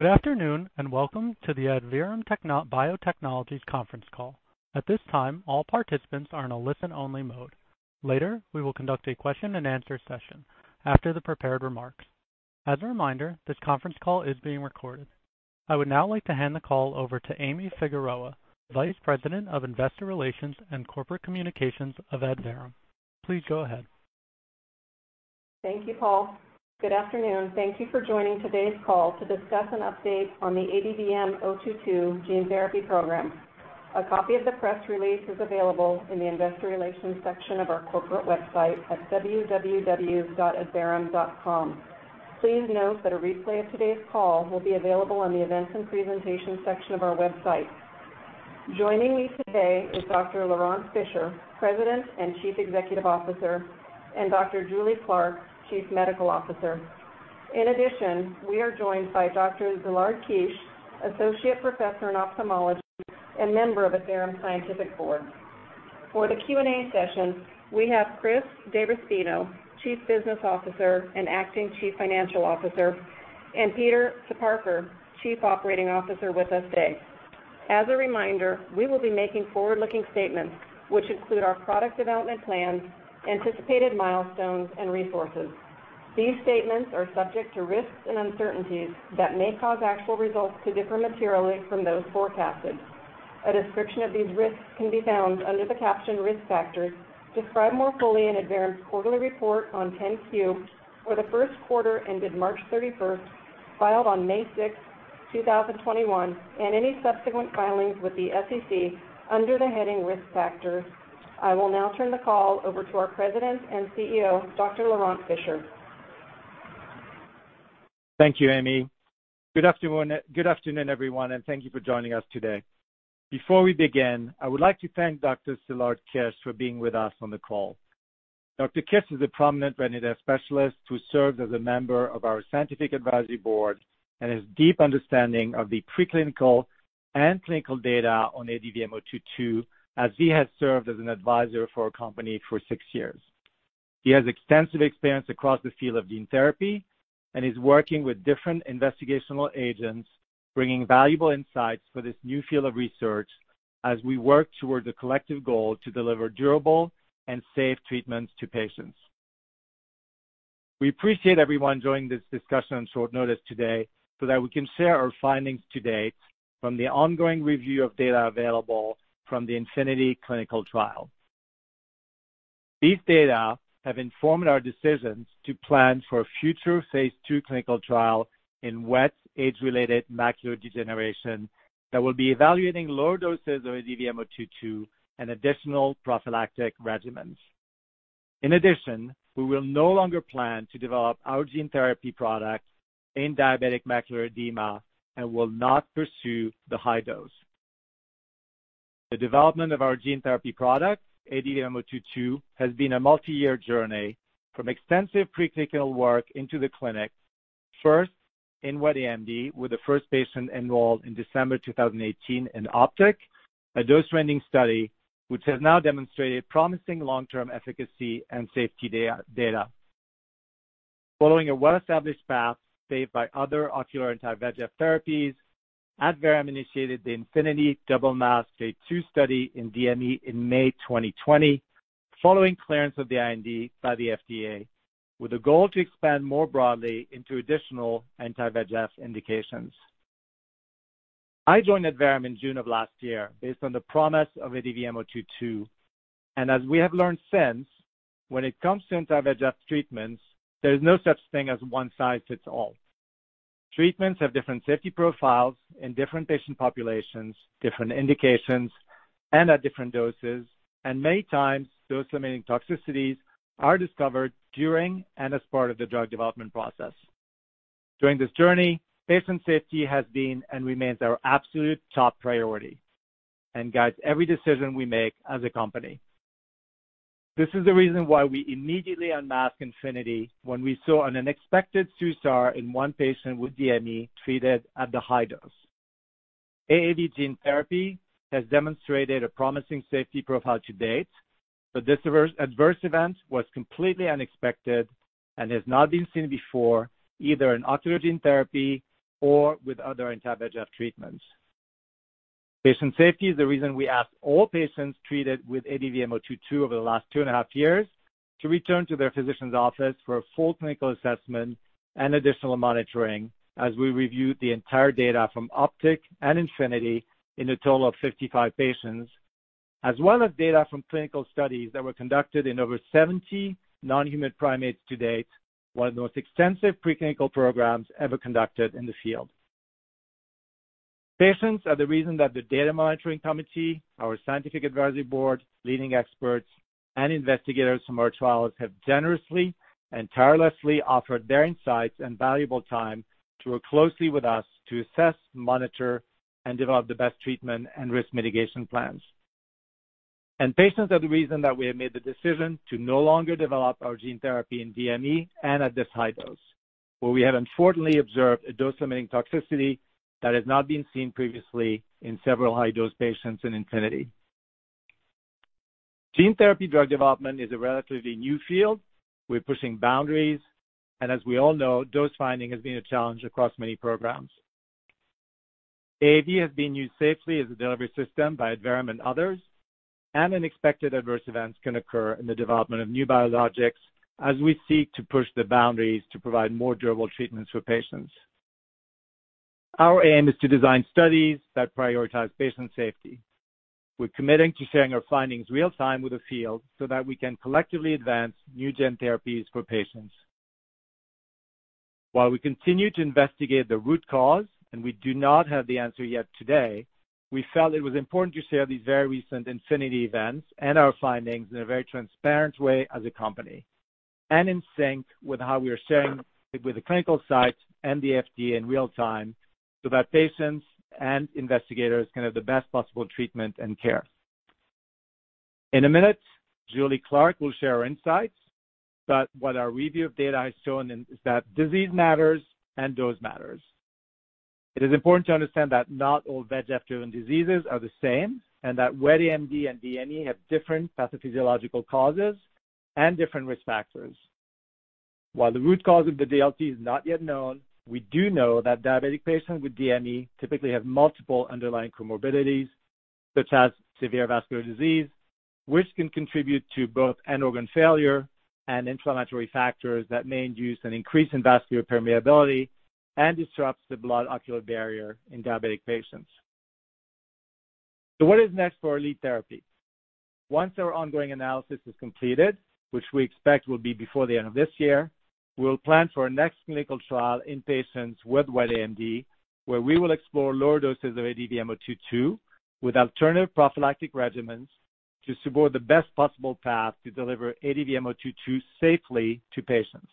Good afternoon, welcome to the Adverum Biotechnologies conference call. At this time, all participants are in a listen-only mode. Later, we will conduct a question-and-answer session after the prepared remarks. As a reminder, this conference call is being recorded. I would now like to hand the call over to Amy Figueroa, Vice President of Investor Relations and Corporate Communications of Adverum. Please go ahead. Thank you, Paul. Good afternoon. Thank you for joining today's call to discuss an update on the ADVM-022 gene therapy program. A copy of the press release is available in the investor relations section of our corporate website at www.adverum.com. Please note that a replay of today's call will be available on the events and presentations section of our website. Joining me today is Dr. Laurent Fischer, President and Chief Executive Officer, and Dr. Julie Clark, Chief Medical Officer. In addition, we are joined by Dr. Szilárd Kiss, Associate Professor in Ophthalmology and member of Adverum Scientific Advisory Board. For the Q&A session, we have Chris DeRespino, Chief Business Officer and Acting Chief Financial Officer, and Peter Soparkar, Chief Operating Officer with us today. As a reminder, we will be making forward-looking statements, which include our product development plans, anticipated milestones, and resources. These statements are subject to risks and uncertainties that may cause actual results to differ materially from those forecasted. A description of these risks can be found under the caption Risk Factors described more fully in Adverum's quarterly report on 10-Q for the first quarter ended March 31st, filed on May 6, 2021, and any subsequent filings with the SEC under the heading Risk Factors. I will now turn the call over to our President and CEO, Dr. Laurent Fischer. Thank you, Amy. Good afternoon, everyone, and thank you for joining us today. Before we begin, I would like to thank Dr. Szilárd Kiss for being with us on the call. Dr. Kiss is a prominent retina specialist who serves as a member of our Scientific Advisory Board and has deep understanding of the preclinical and clinical data on ADVM-022, as he has served as an advisor for our company for six years. He has extensive experience across the field of gene therapy and is working with different investigational agents, bringing valuable insights for this new field of research as we work toward the collective goal to deliver durable and safe treatments to patients. We appreciate everyone joining this discussion on short notice today so that we can share our findings to date from the ongoing review of data available from the INFINITY clinical trial. These data have informed our decisions to plan for a future phase II clinical trial in wet age-related macular degeneration that will be evaluating lower doses of ADVM-022 and additional prophylactic regimens. We will no longer plan to develop our gene therapy product in diabetic macular edema and will not pursue the high dose. The development of our gene therapy product, ADVM-022, has been a multi-year journey from extensive preclinical work into the clinic, first in wet AMD with the first patient enrolled in December 2018 in OPTIC, a dose-finding study which has now demonstrated promising long-term efficacy and safety data. Following a well-established path paved by other ocular anti-VEGF therapies, Adverum initiated the INFINITY double-masked phase II study in DME in May 2020, following clearance of the IND by the FDA, with a goal to expand more broadly into additional anti-VEGF indications. I joined Adverum in June of last year based on the promise of ADVM-022, as we have learned since, when it comes to anti-VEGF treatments, there's no such thing as one size fits all. Treatments have different safety profiles in different patient populations, different indications, and at different doses, many times, dose-limiting toxicities are discovered during and as part of the drug development process. During this journey, patient safety has been and remains our absolute top priority and guides every decision we make as a company. This is the reason why we immediately unmasked INFINITY when we saw an unexpected SUSAR in one patient with DME treated at the high dose. AAV gene therapy has demonstrated a promising safety profile to date, this adverse event was completely unexpected and has not been seen before, either in ocular gene therapy or with other anti-VEGF treatments. Patient safety is the reason we asked all patients treated with ADVM-022 over the last two and a half years to return to their physician's office for a full clinical assessment and additional monitoring as we reviewed the entire data from OPTIC and INFINITY in a total of 55 patients, as well as data from clinical studies that were conducted in over 70 non-human primates to date, one of the most extensive preclinical programs ever conducted in the field. Patients are the reason that the Data Monitoring Committee, our Scientific Advisory Board, leading experts, and investigators from our trials have generously and tirelessly offered their insights and valuable time to work closely with us to assess, monitor, and develop the best treatment and risk mitigation plans. Patients are the reason that we have made the decision to no longer develop our gene therapy in DME and at this high dose, where we have unfortunately observed a dose-limiting toxicity that has not been seen previously in several high-dose patients in INFINITY. Gene therapy drug development is a relatively new field. We're pushing boundaries, and as we all know, dose finding has been a challenge across many programs. AAV has been used safely as a delivery system by Adverum and others, and unexpected adverse events can occur in the development of new biologics as we seek to push the boundaries to provide more durable treatments for patients. Our aim is to design studies that prioritize patient safety. We're committing to sharing our findings real-time with the field so that we can collectively advance new gene therapies for patients. While we continue to investigate the root cause, and we do not have the answer yet today, we felt it was important to share these very recent INFINITY events and our findings in a very transparent way as a company and in sync with how we are sharing it with the clinical sites and the FDA in real time so that patients and investigators can have the best possible treatment and care. In a minute, Julie Clark will share her insights, but what our review of data has shown is that disease matters and dose matters. It is important to understand that not all VEGF-driven diseases are the same, and that wet AMD and DME have different pathophysiological causes and different risk factors. While the root cause of the DLT is not yet known, we do know that diabetic patients with DME typically have multiple underlying comorbidities, such as severe vascular disease, which can contribute to both end organ failure and inflammatory factors that may induce an increase in vascular permeability and disrupts the blood ocular barrier in diabetic patients. What is next for our lead therapy? Once our ongoing analysis is completed, which we expect will be before the end of this year, we will plan for our next clinical trial in patients with wet AMD, where we will explore lower doses of ADVM-022 with alternative prophylactic regimens to support the best possible path to deliver ADVM-022 safely to patients.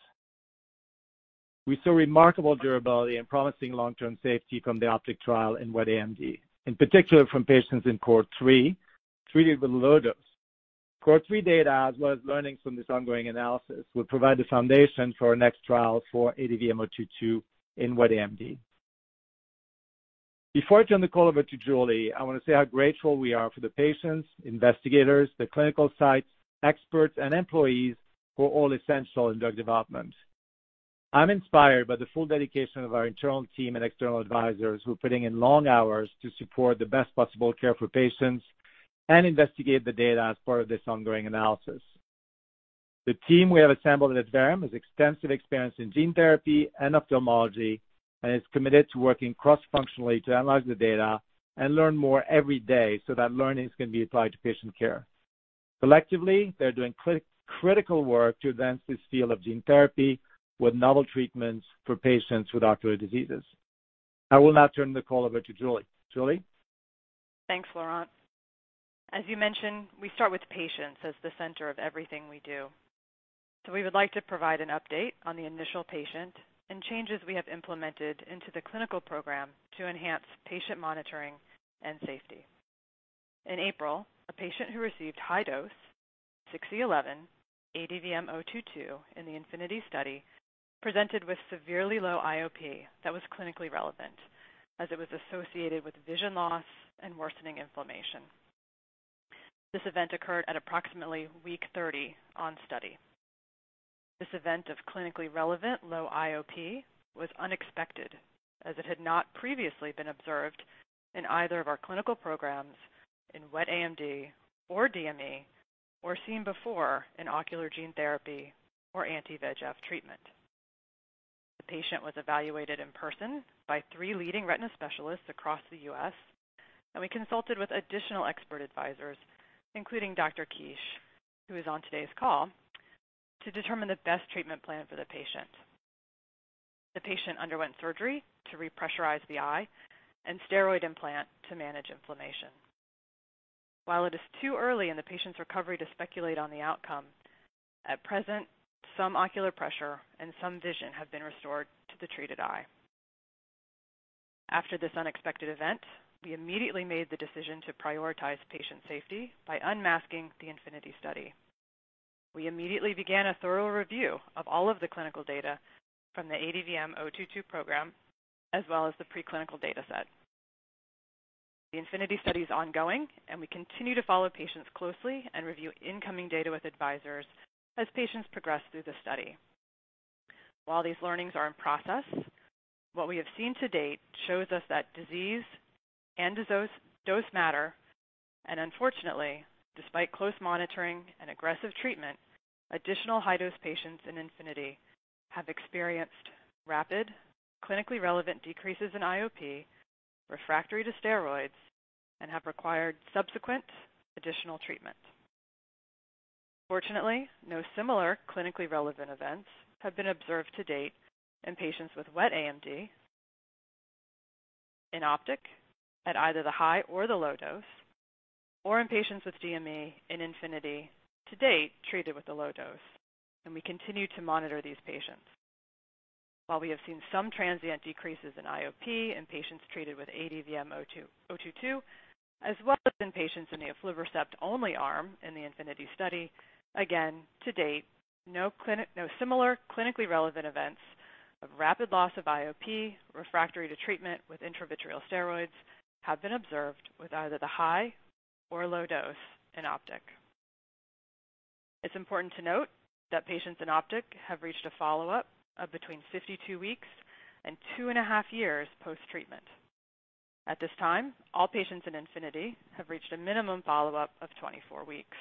We saw remarkable durability and promising long-term safety from the OPTIC trial in wet AMD, in particular from patients in Cohort 3 treated with a low dose. Cohort 3 data, as well as learnings from this ongoing analysis, will provide the foundation for our next trial for ADVM-022 in wet AMD. Before I turn the call over to Julie, I want to say how grateful we are for the patients, investigators, the clinical sites, experts, and employees who are all essential in drug development. I'm inspired by the full dedication of our internal team and external advisors who are putting in long hours to support the best possible care for patients and investigate the data as part of this ongoing analysis. The team we have assembled at Adverum has extensive experience in gene therapy and ophthalmology and is committed to working cross-functionally to analyze the data and learn more every day so that learnings can be applied to patient care. Collectively, they are doing critical work to advance this field of gene therapy with novel treatments for patients with ocular diseases. I will now turn the call over to Julie. Julie? Thanks, Laurent. As you mentioned, we start with patients as the center of everything we do. We would like to provide an update on the initial patient and changes we have implemented into the clinical program to enhance patient monitoring and safety. In April, a patient who received high-dose 6E11 ADVM-022 in the INFINITY study presented with severely low IOP that was clinically relevant as it was associated with vision loss and worsening inflammation. This event occurred at approximately week 30 on study. This event of clinically relevant low IOP was unexpected, as it had not previously been observed in either of our clinical programs in wet AMD or DME or seen before in ocular gene therapy or anti-VEGF treatment. The patient was evaluated in person by three leading retina specialists across the U.S., and we consulted with additional expert advisors, including Dr. Kiss, who is on today's call, to determine the best treatment plan for the patient. The patient underwent surgery to repressurize the eye and steroid implant to manage inflammation. While it is too early in the patient's recovery to speculate on the outcome, at present, some ocular pressure and some vision have been restored to the treated eye. After this unexpected event, we immediately made the decision to prioritize patient safety by unmasking the INFINITY study. We immediately began a thorough review of all of the clinical data from the ADVM-022 program, as well as the preclinical data set. The INFINITY study is ongoing, and we continue to follow patients closely and review incoming data with advisors as patients progress through the study. While these learnings are in process, what we have seen to date shows us that disease and dose matter, and unfortunately, despite close monitoring and aggressive treatment, additional high-dose patients in INFINITY have experienced rapid, clinically relevant decreases in IOP refractory to steroids and have required subsequent additional treatment. Fortunately, no similar clinically relevant events have been observed to date in patients with wet AMD in OPTIC at either the high or the low dose, or in patients with DME in INFINITY to date treated with the low dose, and we continue to monitor these patients. While we have seen some transient decreases in IOP in patients treated with ADVM-022, as well as in patients in the aflibercept-only arm in the INFINITY study, to date, no similar clinically relevant events of rapid loss of IOP refractory to treatment with intravitreal steroids have been observed with either the high or low dose in OPTIC. It's important to note that patients in OPTIC have reached a follow-up of between 52 weeks and 2.5 years post-treatment. At this time, all patients in INFINITY have reached a minimum follow-up of 24 weeks.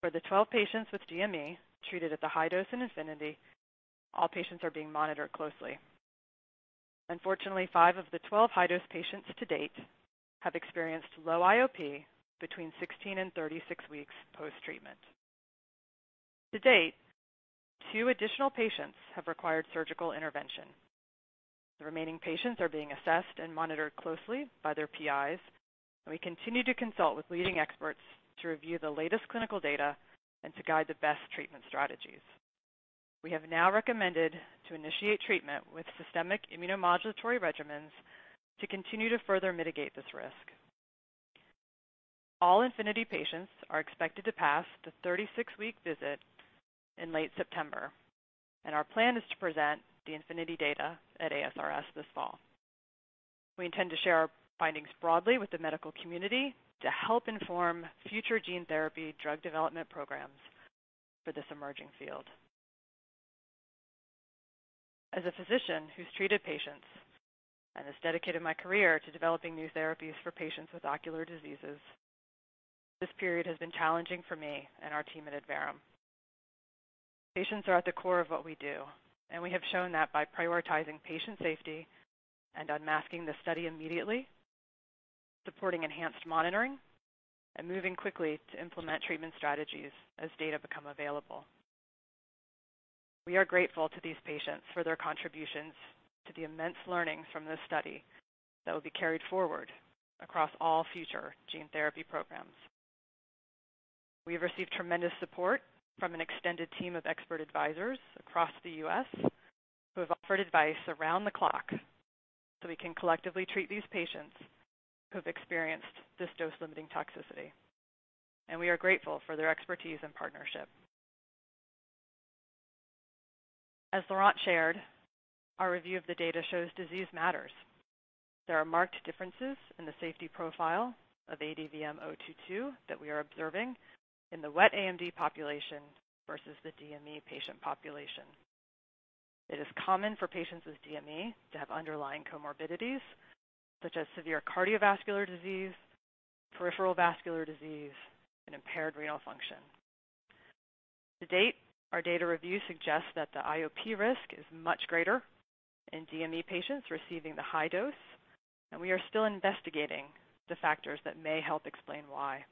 For the 12 patients with DME treated at the high dose in INFINITY, all patients are being monitored closely. Unfortunately, five of the 12 high-dose patients to date have experienced low IOP between 16 and 36 weeks post-treatment. To date, two additional patients have required surgical intervention. The remaining patients are being assessed and monitored closely by their PIs. We continue to consult with leading experts to review the latest clinical data and to guide the best treatment strategies. We have now recommended to initiate treatment with systemic immunomodulatory regimens to continue to further mitigate this risk. All INFINITY patients are expected to pass the 36-week visit in late September. Our plan is to present the INFINITY data at ASRS this fall. We intend to share our findings broadly with the medical community to help inform future gene therapy drug development programs for this emerging field. As a physician who's treated patients and has dedicated my career to developing new therapies for patients with ocular diseases, this period has been challenging for me and our team at Adverum. Patients are at the core of what we do, and we have shown that by prioritizing patient safety and unmasking the study immediately, supporting enhanced monitoring, and moving quickly to implement treatment strategies as data become available. We are grateful to these patients for their contributions to the immense learnings from this study that will be carried forward across all future gene therapy programs. We have received tremendous support from an extended team of expert advisors across the U.S. who have offered advice around the clock so we can collectively treat these patients who have experienced this dose-limiting toxicity, and we are grateful for their expertise and partnership. As Laurent shared, our review of the data shows disease matters. There are marked differences in the safety profile of ADVM-022 that we are observing in the wet AMD population versus the DME patient population. It is common for patients with DME to have underlying comorbidities such as severe cardiovascular disease, peripheral vascular disease, and impaired renal function. To date, our data review suggests that the IOP risk is much greater in DME patients receiving the high dose. We are still investigating the factors that may help explain why.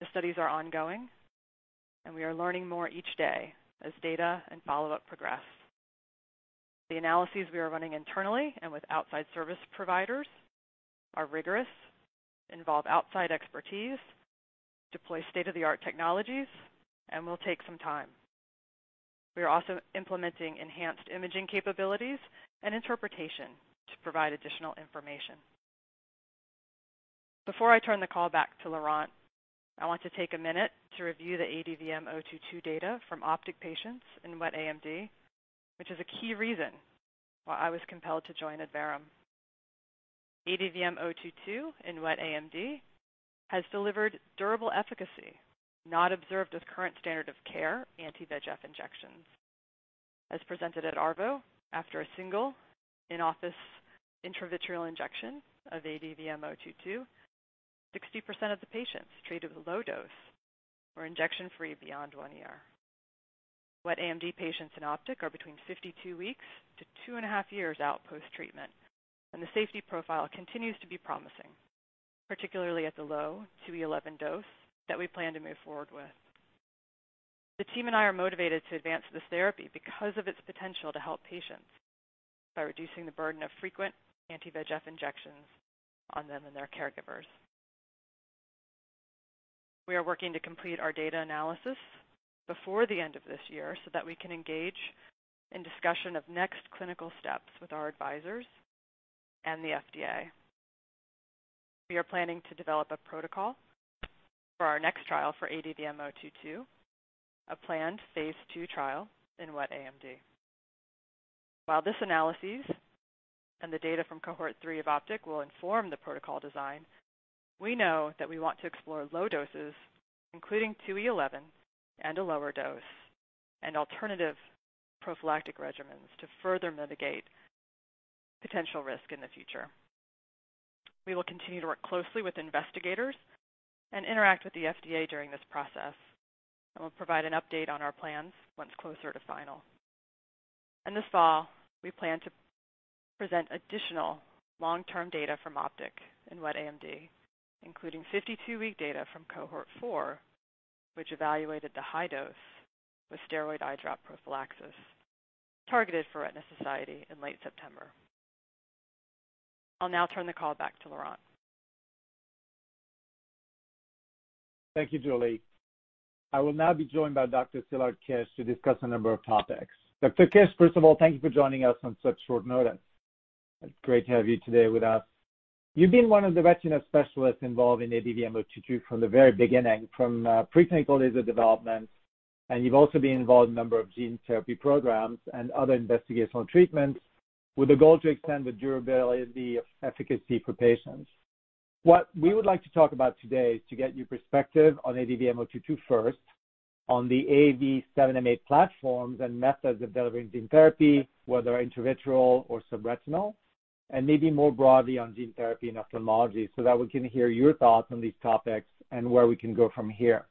The studies are ongoing. We are learning more each day as data and follow-up progress. The analyses we are running internally and with outside service providers are rigorous, involve outside expertise, deploy state-of-the-art technologies, and will take some time. We are also implementing enhanced imaging capabilities and interpretation to provide additional information. Before I turn the call back to Laurent Fischer, I want to take a minute to review the ADVM-022 data from OPTIC patients in wet AMD, which is a key reason why I was compelled to join Adverum. ADVM-022 in wet AMD has delivered durable efficacy not observed with current standard of care anti-VEGF injections. As presented at ARVO, after a single in-office intravitreal injection of ADVM-022, 60% of the patients treated with low dose were injection-free beyond one year. Wet AMD patients in OPTIC are between 52 weeks to 2.5 years out post-treatment, and the safety profile continues to be promising, particularly at the low [2E11] dose that we plan to move forward with. The team and I are motivated to advance this therapy because of its potential to help patients by reducing the burden of frequent anti-VEGF injections on them and their caregivers. We are working to complete our data analysis before the end of this year so that we can engage in discussion of next clinical steps with our advisors and the FDA. We are planning to develop a protocol for our next trial for ADVM-022, a planned phase II trial in wet AMD. While this analysis and the data from Cohort 3 of OPTIC will inform the protocol design, we know that we want to explore low doses, including 2E11 and a lower dose, and alternative prophylactic regimens to further mitigate potential risk in the future. We will continue to work closely with investigators and interact with the FDA during this process, we'll provide an update on our plans once closer to final. This fall, we plan to present additional long-term data from OPTIC in wet AMD, including 52-week data from Cohort 4, which evaluated the high dose with steroid eye drop prophylaxis, targeted for Retina Society in late September. I'll now turn the call back to Laurent. Thank you, Julie. I will now be joined by Dr. Szilárd Kiss to discuss a number of topics. Dr. Kiss, first of all, thank you for joining us on such short notice. It's great to have you today with us. You've been one of the retina specialists involved in ADVM-022 from the very beginning, from preclinical days of development, and you've also been involved in a number of gene therapy programs and other investigational treatments with the goal to extend the durability of efficacy for patients. What we would like to talk about today is to get your perspective on ADVM-022 first, on the AAV.7m8 platforms and methods of delivering gene therapy, whether intraretinal or subretinal, and maybe more broadly on gene therapy and ophthalmology, so that we can hear your thoughts on these topics and where we can go from here.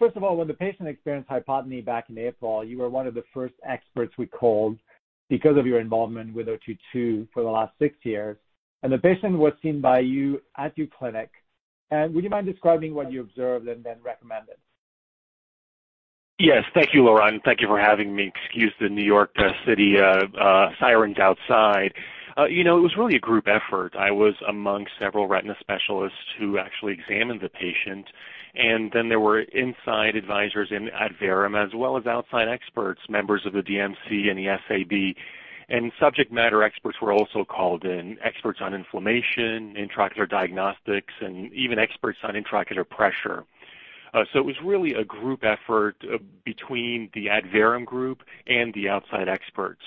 First of all, when the patient experienced hypotony back in April, you were one of the first experts we called because of your involvement with 022 for the last six years. The patient was seen by you at your clinic. Would you mind describing what you observed and then recommended? Yes. Thank you, Laurent. Thank you for having me. Excuse the New York City sirens outside. It was really a group effort. I was among several retina specialists who actually examined the patient, then there were inside advisors at Adverum, as well as outside experts, members of the DMC and the SAB. Subject matter experts were also called in, experts on inflammation, intraocular diagnostics, and even experts on intraocular pressure. It was really a group effort between the Adverum group and the outside experts.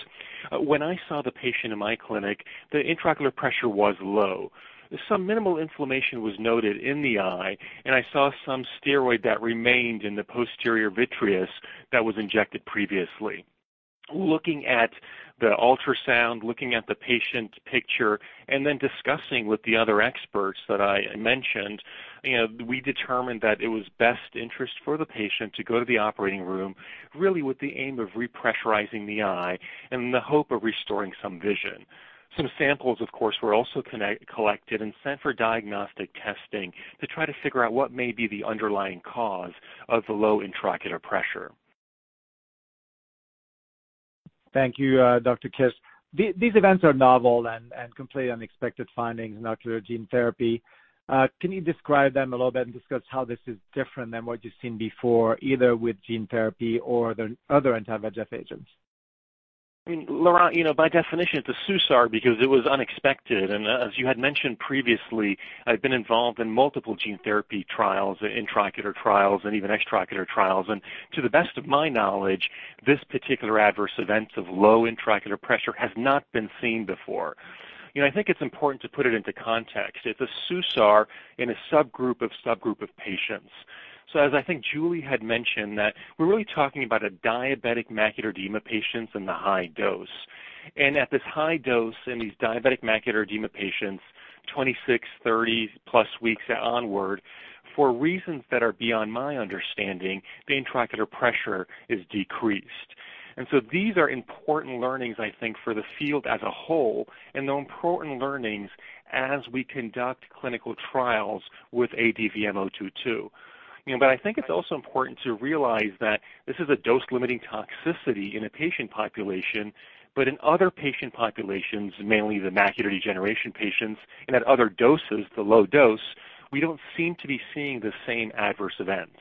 When I saw the patient in my clinic, the intraocular pressure was low. Some minimal inflammation was noted in the eye, and I saw some steroid that remained in the posterior vitreous that was injected previously. Looking at the ultrasound, looking at the patient picture, and then discussing with the other experts that I mentioned, we determined that it was best interest for the patient to go to the operating room, really with the aim of re-pressurizing the eye and in the hope of restoring some vision. Some samples, of course, were also collected and sent for diagnostic testing to try to figure out what may be the underlying cause of the low intraocular pressure. Thank you, Dr. Kiss. These events are novel and completely unexpected findings in ocular gene therapy. Can you describe them a little bit and discuss how this is different than what you've seen before, either with gene therapy or the other anti-VEGF agents? I mean, Laurent, by definition, it's a SUSAR because it was unexpected. As you had mentioned previously, I've been involved in multiple gene therapy trials, intraocular trials, and even extraocular trials. To the best of my knowledge, this particular adverse event of low intraocular pressure has not been seen before. I think it's important to put it into context. It's a SUSAR in a subgroup of subgroup of patients. As I think Julie had mentioned that we're really talking about diabetic macular edema patients in the high dose. At this high dose in these diabetic macular edema patients, 26, 30+ weeks onward, for reasons that are beyond my understanding, the intraocular pressure is decreased. These are important learnings, I think, for the field as a whole, and they're important learnings as we conduct clinical trials with ADVM-022. I think it's also important to realize that this is a dose-limiting toxicity in a patient population, but in other patient populations, mainly the macular degeneration patients, and at other doses, the low dose, we don't seem to be seeing the same adverse events.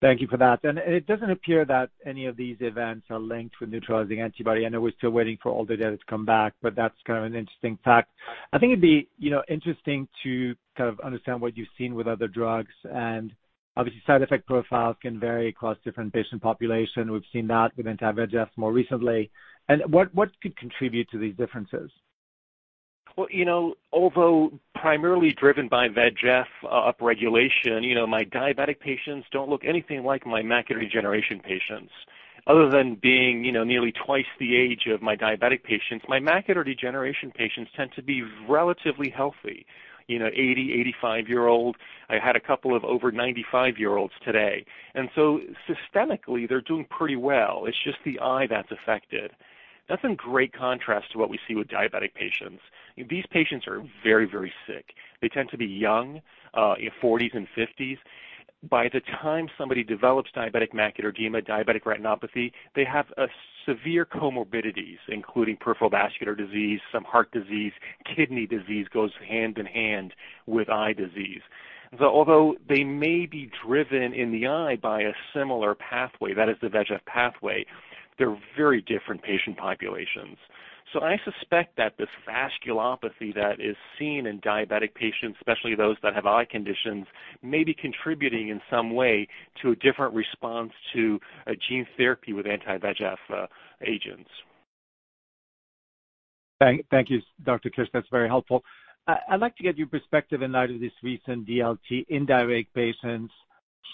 Thank you for that. It doesn't appear that any of these events are linked with neutralizing antibody. I know we're still waiting for all the data to come back, but that's kind of an interesting fact. I think it'd be interesting to understand what you've seen with other drugs, and obviously side effect profiles can vary across different patient population. We've seen that with anti-VEGF more recently. What could contribute to these differences? Well, although primarily driven by VEGF upregulation, my diabetic patients don't look anything like my macular degeneration patients. Other than being nearly twice the age of my diabetic patients, my macular degeneration patients tend to be relatively healthy, 80, 85-year-old. I had a couple of over 95-year-olds today. Systemically, they're doing pretty well. It's just the eye that's affected. That's in great contrast to what we see with diabetic patients. These patients are very, very sick. They tend to be young, 40s and 50s. By the time somebody develops diabetic macular edema, diabetic retinopathy, they have severe comorbidities, including peripheral vascular disease, some heart disease. Kidney disease goes hand in hand with eye disease. Although they may be driven in the eye by a similar pathway, that is the VEGF pathway, they're very different patient populations. I suspect that this vasculopathy that is seen in diabetic patients, especially those that have eye conditions, may be contributing in some way to a different response to a gene therapy with anti-VEGF agents. Thank you, Dr. Kiss. That's very helpful. I'd like to get your perspective in light of this recent DLT in direct patients,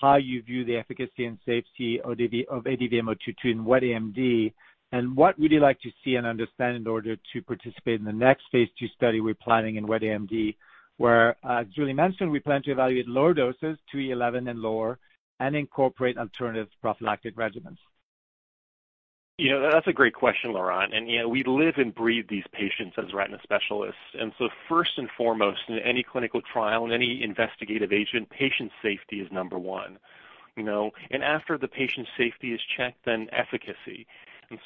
how you view the efficacy and safety of ADVM-022 in wet AMD, and what would you like to see and understand in order to participate in the next phase II study we're planning in wet AMD, where, as Julie mentioned, we plan to evaluate lower doses, 2E11 and lower, and incorporate alternative prophylactic regimens. That's a great question, Laurent. We live and breathe these patients as retina specialists. First and foremost, in any clinical trial, in any investigative agent, patient safety is number one. After the patient's safety is checked, efficacy.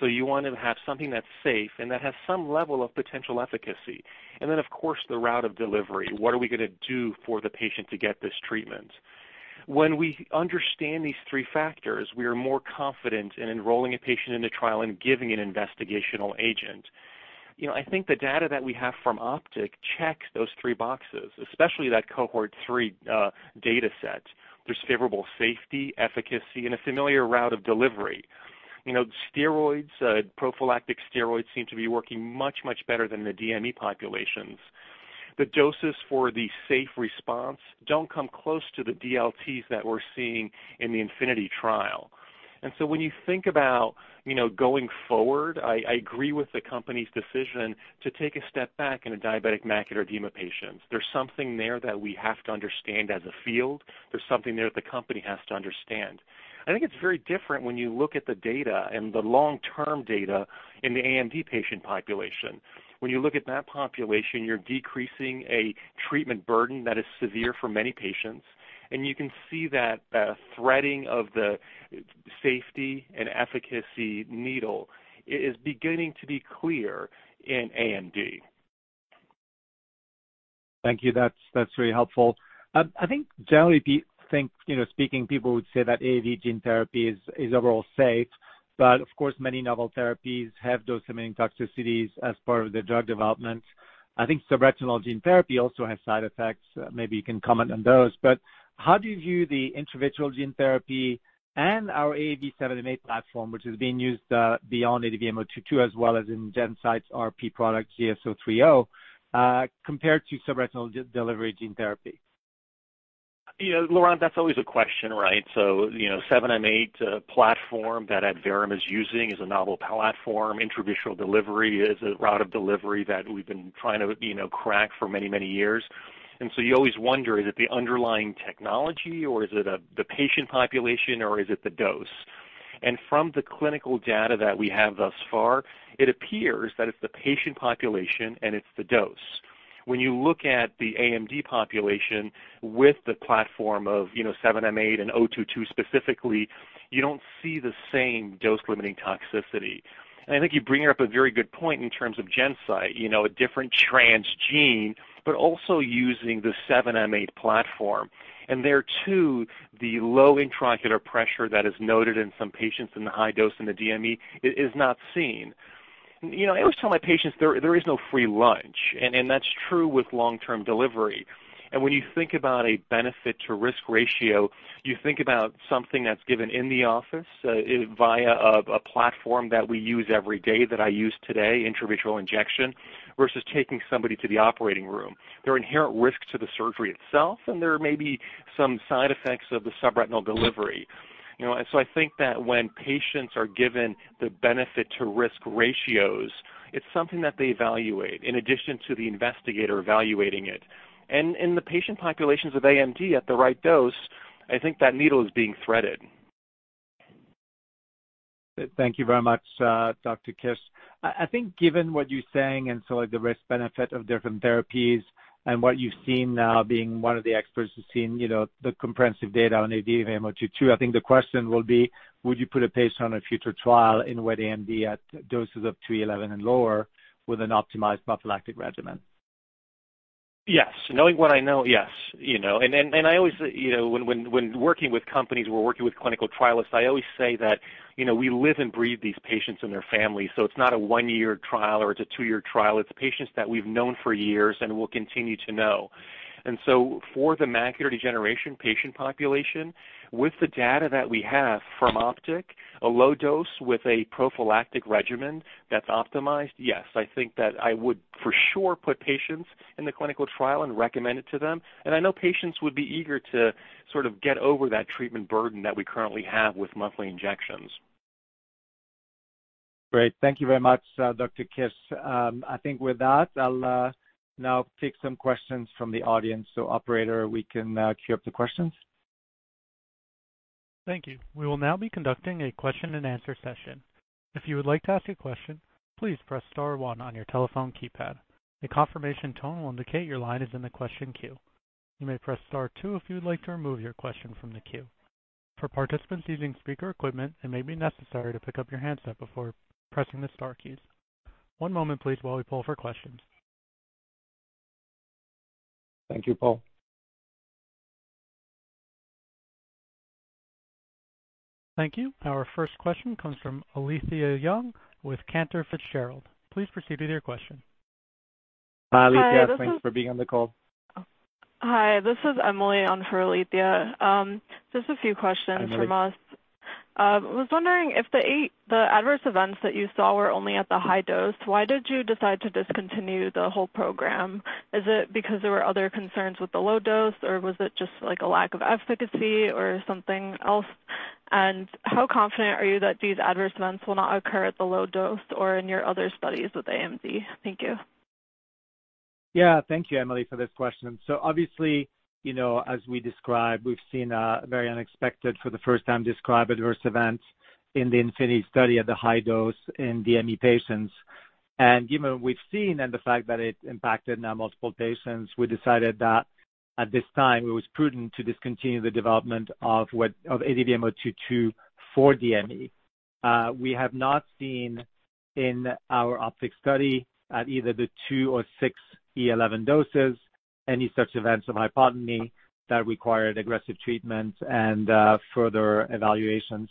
You want to have something that's safe and that has some level of potential efficacy. Of course, the route of delivery. What are we going to do for the patient to get this treatment? When we understand these three factors, we are more confident in enrolling a patient in a trial and giving an investigational agent. I think the data that we have from OPTIC checks those three boxes, especially that Cohort 3 data set. There's favorable safety, efficacy, and a familiar route of delivery. Steroids, prophylactic steroids seem to be working much better than the DME populations. The doses for the safe response don't come close to the DLTs that we're seeing in the INFINITY trial. When you think about going forward, I agree with the company's decision to take a step back in a diabetic macular edema patients. There's something there that we have to understand as a field. There's something there that the company has to understand. I think it's very different when you look at the data and the long-term data in the AMD patient population. When you look at that population, you're decreasing a treatment burden that is severe for many patients, and you can see that threading of the safety and efficacy needle is beginning to be clear in AMD. Thank you. That's really helpful. I think generally people think, speaking, people would say that AAV gene therapy is overall safe, but of course, many novel therapies have dose-limiting toxicities as part of their drug development. I think subretinal gene therapy also has side effects. Maybe you can comment on those, but how do you view the intravitreal gene therapy and our AAV.7m8 platform, which is being used, beyond ADVM-022, as well as in GenSight Biologics' RP product, GS030, compared to subretinal delivery gene therapy? Laurent, that's always a question, right? 7m8 platform that Adverum is using is a novel platform. Intravitreal delivery is a route of delivery that we've been trying to crack for many, many years. You always wonder, is it the underlying technology or is it the patient population, or is it the dose? From the clinical data that we have thus far, it appears that it's the patient population and it's the dose. When you look at the AMD population with the platform of 7m8 and 022 specifically, you don't see the same dose-limiting toxicity. I think you bring up a very good point in terms of GenSight, a different transgene, but also using the 7m8 platform. There too, the low intraocular pressure that is noted in some patients in the high dose in the DME is not seen. I always tell my patients there is no free lunch, and that's true with long-term delivery. When you think about a benefit to risk ratio, you think about something that's given in the office via a platform that we use every day, that I used today, intravitreal injection, versus taking somebody to the operating room. There are inherent risks to the surgery itself, and there may be some side effects of the subretinal delivery. I think that when patients are given the benefit to risk ratios, it's something that they evaluate in addition to the investigator evaluating it. In the patient populations with AMD at the right dose, I think that needle is being threaded. Thank you very much, Dr. Kiss. I think given what you're saying and so the risk benefit of different therapies and what you've seen now being one of the experts who's seen the comprehensive data on ADVM-022, I think the question will be, would you put a patient on a future trial in wet AMD at doses of 3E11 and lower with an optimized prophylactic regimen? Yes. Knowing what I know, yes. I always say when working with companies, we're working with clinical trialists, I always say that we live and breathe these patients and their families. It's not a one-year trial, or it's a two-year trial. It's patients that we've known for years and will continue to know. For the macular degeneration patient population, with the data that we have from OPTIC, a low dose with a prophylactic regimen that's optimized, yes, I think that I would for sure put patients in the clinical trial and recommend it to them, and I know patients would be eager to sort of get over that treatment burden that we currently have with monthly injections. Great. Thank you very much, Dr. Kiss. I think with that, I'll now take some questions from the audience. Operator, we can queue up the questions. Thank you. We will now be conducting a question-and-answer session. If you would like to ask a question, please press star one on your telephone keypad. A confirmation tone will indicate your line is in the question queue. You may press star two if you would like to remove your question from the queue. For participants using speaker equipment, it may be necessary to pick up your handset before pressing the star keys. One moment, please, while we pull for questions. Thank you, Paul. Thank you. Our first question comes from Alethia Young with Cantor Fitzgerald. Please proceed with your question. Hi, Alethia. Thanks for being on the call. Hi, this is Emily on for Alethia. Just a few questions from us. Hi, Emily. I was wondering if the adverse events that you saw were only at the high dose, why did you decide to discontinue the whole program? Is it because there were other concerns with the low dose, or was it just like a lack of efficacy or something else? How confident are you that these adverse events will not occur at the low dose or in your other studies with AMD? Thank you. Yeah. Thank you, Emily, for this question. Obviously, as we described, we've seen a very unexpected, for the first time described adverse events in the INFINITY study at the high dose in DME patients. Given what we've seen and the fact that it impacted now multiple patients, we decided that at this time it was prudent to discontinue the development of ADVM-022 for DME. We have not seen in our OPTIC study at either the 2E11 or 6E11 doses any such events of hypotony that required aggressive treatment and further evaluations.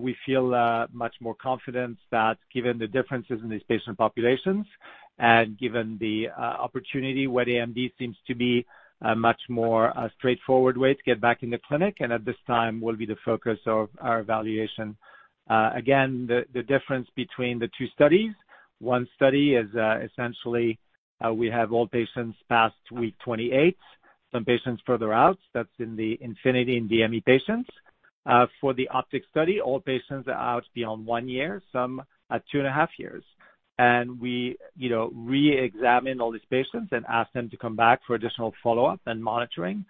We feel much more confidence that given the differences in these patient populations and given the opportunity, wet AMD seems to be a much more straightforward way to get back in the clinic and at this time will be the focus of our evaluation. The difference between the two studies, one study is essentially we have all patients past week 28, some patients further out, that's in the INFINITY and DME patients. The OPTIC study, all patients are out beyond one year, some at two and a half years. We re-examine all these patients and ask them to come back for additional follow-up and monitoring.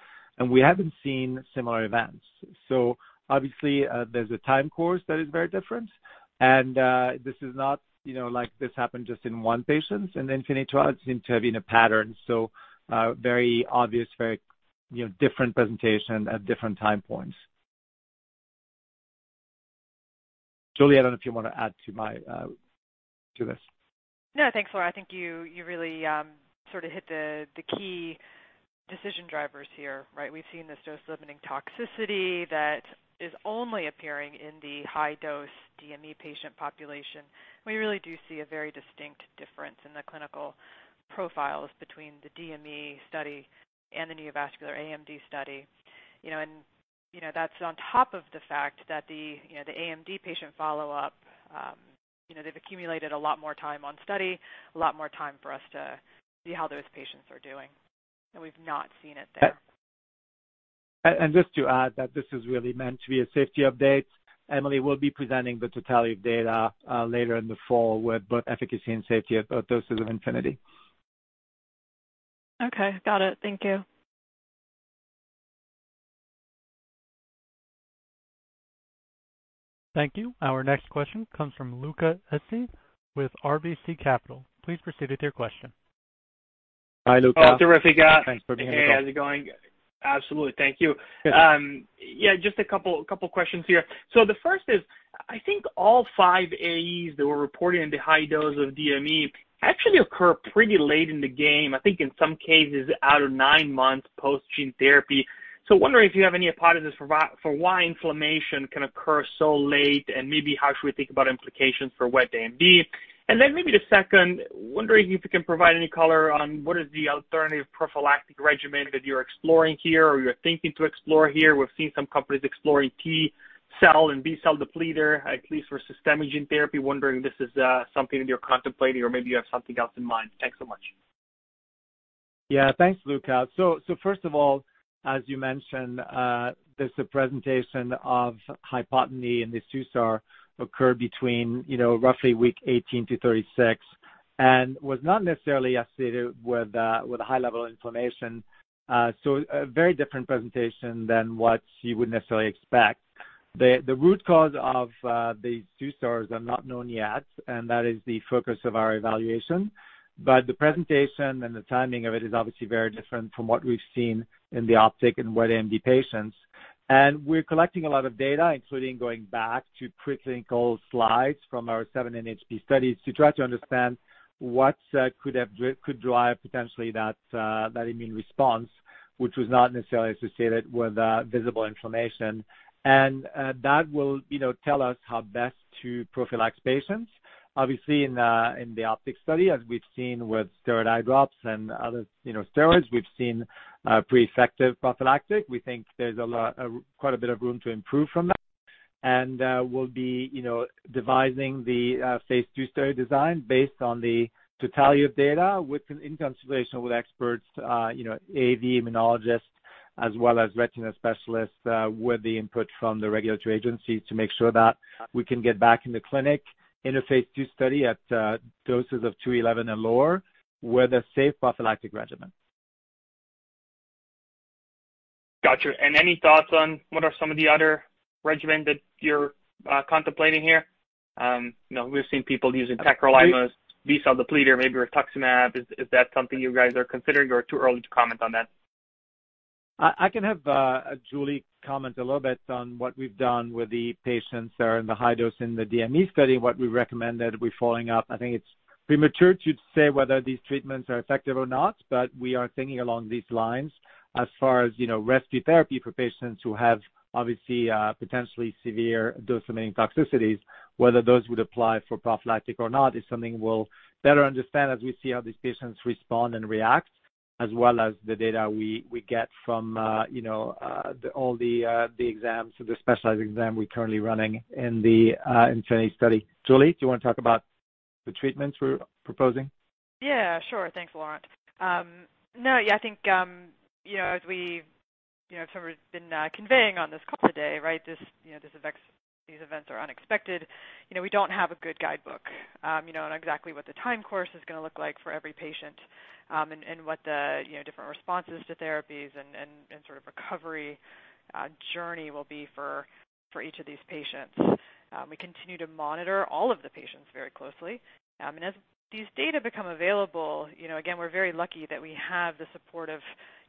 We haven't seen similar events. Obviously, there's a time course that is very different, and this is not like this happened just in one patient. In INFINITY, two eyes seem to have been a pattern. Very obvious, very different presentation at different time points. Julie, I don't know if you want to add to this. No, thanks, Laurent. I think you really sort of hit the key decision drivers here, right? We've seen this dose-limiting toxicity that is only appearing in the high-dose DME 1 patient population. We really do see a very distinct difference in the clinical profiles between the DME study and the neovascular AMD study. That's on top of the fact that the AMD patient follow-up, they've accumulated a lot more time on study, a lot more time for us to see how those patients are doing. We've not seen it there. Just to add that this is really meant to be a safety update. Emily will be presenting the totality of data later in the fall with both efficacy and safety at doses of INFINITY. Okay. Got it. Thank you. Thank you. Our next question comes from Luca Issi with RBC Capital. Please proceed with your question. Hi, Luca. Oh, terrific. Thanks for taking the call. Hey, how's it going? Absolutely. Thank you. Yeah. Yeah, just a couple questions here. The first is, I think all five AEs that were reported in the high dose of DME actually occur pretty late in the game. I think in some cases out of nine months post gene therapy. Wondering if you have any hypothesis for why inflammation can occur so late and maybe how should we think about implications for wet AMD. Maybe the second, wondering if you can provide any color on what is the alternative prophylactic regimen that you're exploring here or you're thinking to explore here. We've seen some companies exploring T-cell and B-cell depleter, at least for systemic gene therapy. Wondering if this is something that you're contemplating or maybe you have something else in mind. Thanks so much. Thanks, Luca. First of all, as you mentioned, there's a presentation of hypotony in the SUSAR occurred between roughly week 18 to 36, and was not necessarily associated with a high level of inflammation. A very different presentation than what you would necessarily expect. The root cause of the SUSARs are not known yet. That is the focus of our evaluation. The presentation and the timing of it is obviously very different from what we've seen in the OPTIC and wet AMD patients. We're collecting a lot of data, including going back to preclinical slides from our 7 NHP studies to try to understand what could drive potentially that immune response, which was not necessarily associated with visible inflammation. That will tell us how best to prophylax patients. Obviously, in the OPTIC study, as we've seen with steroid eye drops and other steroids, we've seen pretty effective prophylactic. We think there's quite a bit of room to improve from that. We'll be devising the phase II study design based on the totality of data in consultation with experts, AAV immunologists, as well as retina specialists with the input from the regulatory agencies to make sure that we can get back in the clinic in a phase II study at doses of 2E11 and lower with a safe prophylactic regimen. Got you. Any thoughts on what are some of the other regimen that you're contemplating here? We've seen people using tacrolimus, B-cell depleter, maybe rituximab. Is that something you guys are considering or too early to comment on that? I can have Julie comment a little bit on what we've done with the patients that are in the high dose in the DME study and what we recommend that we following up. I think it's premature to say whether these treatments are effective or not, but we are thinking along these lines as far as rescue therapy for patients who have obviously potentially severe dose-limiting toxicities. Whether those would apply for prophylactic or not is something we'll better understand as we see how these patients respond and react, as well as the data we get from all the exams, the specialized exam we're currently running in the INFINITY study. Julie, do you want to talk about the treatments we're proposing? Yeah, sure. Thanks, Laurent. Yeah, I think as we've been conveying on this call today, right, these events are unexpected. We don't have a good guidebook on exactly what the time course is going to look like for every patient, and what the different responses to therapies and sort of recovery journey will be for each of these patients. We continue to monitor all of the patients very closely. As these data become available, again, we're very lucky that we have the support of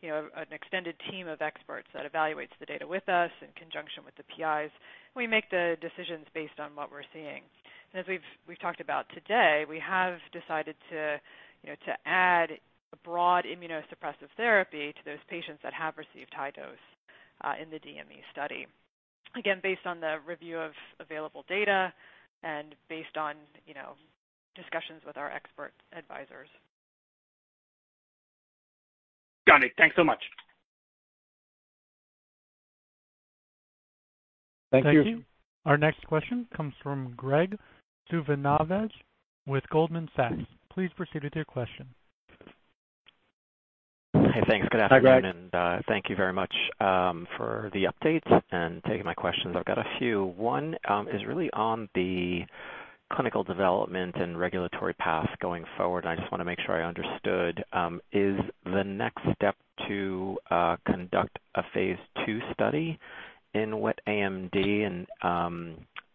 an extended team of experts that evaluates the data with us in conjunction with the PIs. We make the decisions based on what we're seeing. As we've talked about today, we have decided to add a broad immunosuppressive therapy to those patients that have received high dose in the DME study. Again, based on the review of available data and based on discussions with our expert advisors. Julie, thanks so much. Thank you. Thank you. Our next question comes from Graig Suvannavejh with Goldman Sachs. Please proceed with your question. Hey, thanks. Good afternoon. Hi, Graig. Thank you very much for the updates and taking my questions. I've got a few. One is really on the clinical development and regulatory path going forward. I just want to make sure I understood. Is the next step to conduct a phase II study in wet AMD and,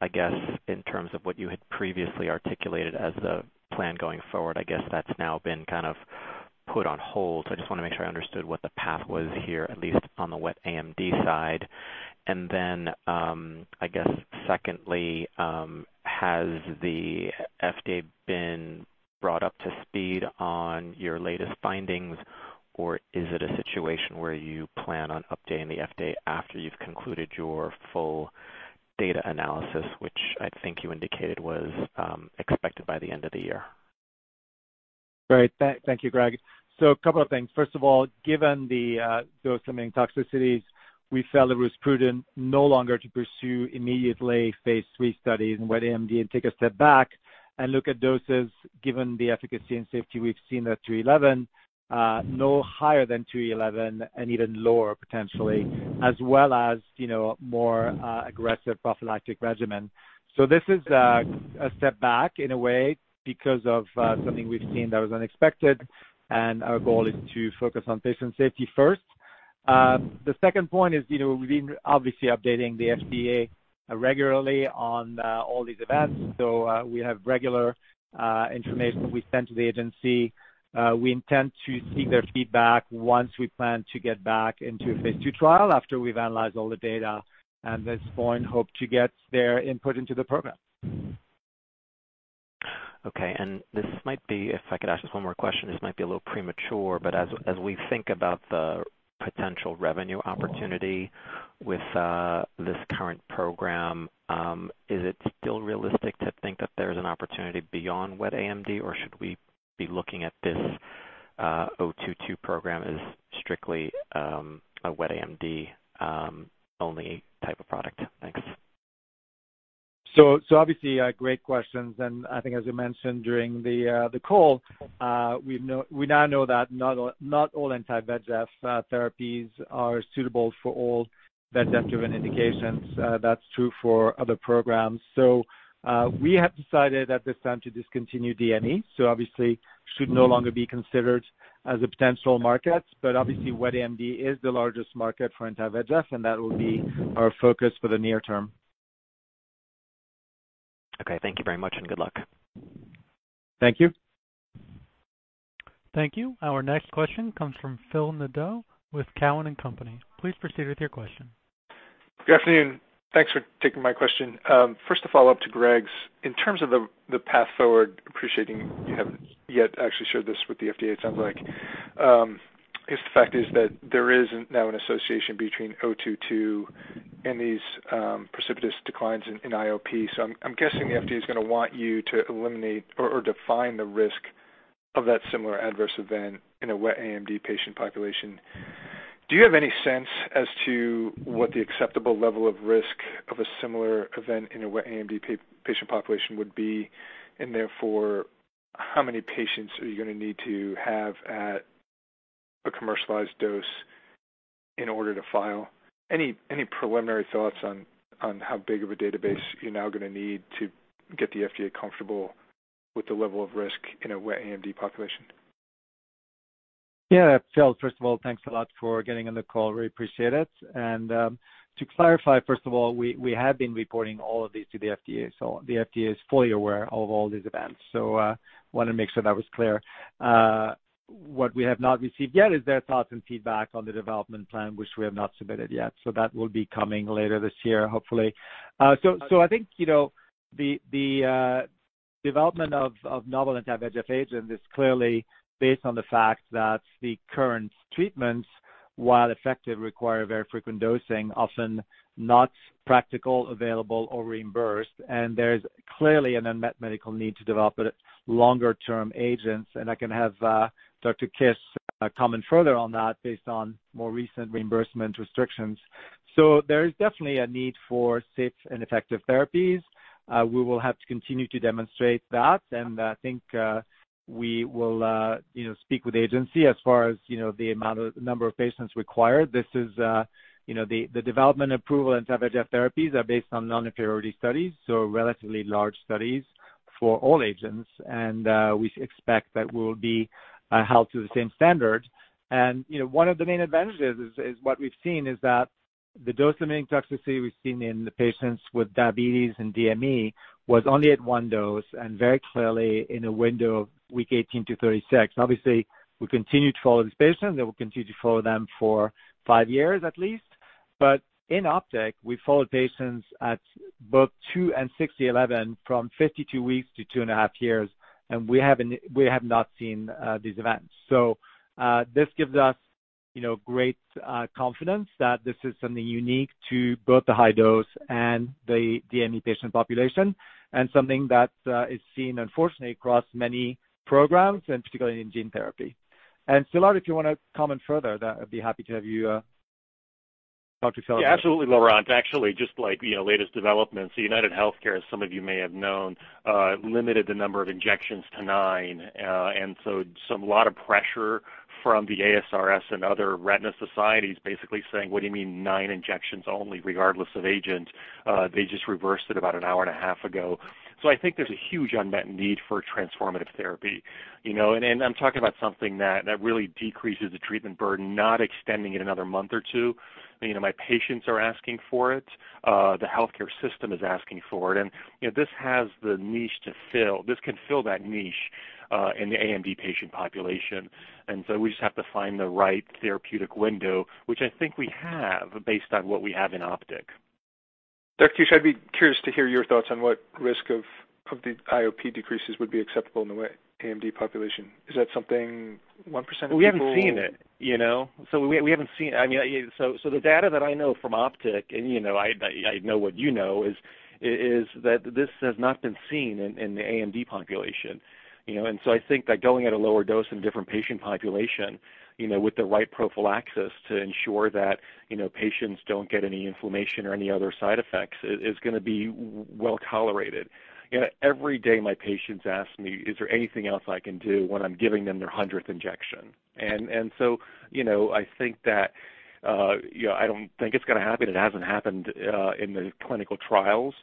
I guess, in terms of what you had previously articulated as the plan going forward, I guess that's now been kind of put on hold. I just want to make sure I understood what the path was here, at least on the wet AMD side. I guess secondly, has the FDA been brought up to speed on your latest findings, or is it a situation where you plan on updating the FDA after you've concluded your full data analysis, which I think you indicated was expected by the end of the year? Great. Thank you, Graig. A couple of things. First of all, given the dose-limiting toxicities, we felt it was prudent no longer to pursue immediately phase III studies in wet AMD and take a step back and look at doses given the efficacy and safety we've seen at 2E11, no higher than 2E11 and even lower potentially, as well as more aggressive prophylactic regimen. This is a step back in a way because of something we've seen that was unexpected and our goal is to focus on patient safety first. The second point is, we've been obviously updating the FDA regularly on all these events. We have regular information we send to the agency. We intend to seek their feedback once we plan to get back into a phase II trial after we've analyzed all the data, and at this point, hope to get their input into the program. Okay. This might be, if I could ask just one more question, this might be a little premature. As we think about the potential revenue opportunity with this current program, is it still realistic to think that there is an opportunity beyond wet AMD, or should we be looking at this 022 program as strictly a wet AMD-only type of product? Thanks. Obviously, great questions. I think as you mentioned during the call, we now know that not all anti-VEGF therapies are suitable for all VEGF driven indications. That's true for other programs. We have decided at this time to discontinue DME. Obviously, should no longer be considered as a potential market, but obviously wet AMD is the largest market for anti-VEGF, and that will be our focus for the near term. Okay. Thank you very much and good luck. Thank you. Thank you. Our next question comes from Phil Nadeau with Cowen and Company. Please proceed with your question. Good afternoon. Thanks for taking my question. First of all, up to Graig's, in terms of the path forward, appreciating you haven't yet actually shared this with the FDA, it sounds like, I guess the fact is that there is now an association between 022 and these precipitous declines in IOP. I'm guessing the FDA is going to want you to eliminate or define the risk of that similar adverse event in a wet AMD patient population. Do you have any sense as to what the acceptable level of risk of a similar event in a wet AMD patient population would be, and therefore, how many patients are you going to need to have at a commercialized dose in order to file? Any preliminary thoughts on how big of a database you're now going to need to get the FDA comfortable with the level of risk in a wet AMD population? Yeah. Phil, first of all, thanks a lot for getting on the call. Really appreciate it. To clarify, first of all, we have been reporting all of these to the FDA, so the FDA is fully aware of all these events. Want to make sure that was clear. What we have not received yet is their thoughts and feedback on the development plan, which we have not submitted yet. That will be coming later this year, hopefully. I think the development of novel anti-VEGF agents is clearly based on the fact that the current treatments, while effective, require very frequent dosing, often not practical, available, or reimbursed. There's clearly an unmet medical need to develop longer-term agents. I can have Dr. Kiss comment further on that based on more recent reimbursement restrictions. There is definitely a need for safe and effective therapies. We will have to continue to demonstrate that, I think we will speak with the agency as far as the number of patients required. The development approval anti-VEGF therapies are based on non-inferiority studies, relatively large studies for all agents. We expect that we'll be held to the same standard. One of the main advantages is what we've seen is that the dose limiting toxicity we've seen in the patients with diabetes and DME was only at one dose and very clearly in a window of week 18-36. Obviously, we'll continue to follow these patients, we'll continue to follow them for five years at least. In OPTIC, we followed patients at both two and 6E11 from 52 weeks to two and a half years, we have not seen these events. This gives us great confidence that this is something unique to both the high dose and the DME patient population, and something that is seen unfortunately across many programs and particularly in gene therapy. Szilárd Kiss, if you want to comment further, I'd be happy to have you talk to fill in. Yeah, absolutely, Laurent. Actually, just latest developments. UnitedHealthcare, as some of you may have known, limited the number of injections to nine. A lot of pressure from the ASRS and other retina societies basically saying, "What do you mean nine injections only regardless of agent?" They just reversed it about an hour and a half ago. I think there's a huge unmet need for transformative therapy. I'm talking about something that really decreases the treatment burden, not extending it another month or two. My patients are asking for it. The healthcare system is asking for it, and this has the niche to fill. This can fill that niche, in the AMD patient population. We just have to find the right therapeutic window, which I think we have based on what we have in OPTIC. Dr. Kiss, I'd be curious to hear your thoughts on what risk of the IOP decreases would be acceptable in the AMD population. Is that something 1% of people? We haven't seen it. The data that I know from OPTIC and I know what you know is that this has not been seen in the AMD population. I think that going at a lower dose in different patient population, with the right prophylaxis to ensure that patients don't get any inflammation or any other side effects is going to be well-tolerated. Every day my patients ask me, "Is there anything else I can do?" when I'm giving them their 100th injection. I don't think it's going to happen. It hasn't happened in the clinical trials.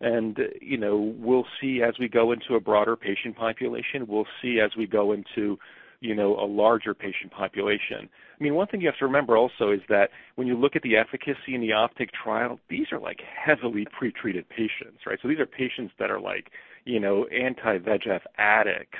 We'll see as we go into a broader patient population. We'll see as we go into a larger patient population. One thing you have to remember also is that when you look at the efficacy in the OPTIC trial, these are heavily pretreated patients, right? These are patients that are anti-VEGF addicts.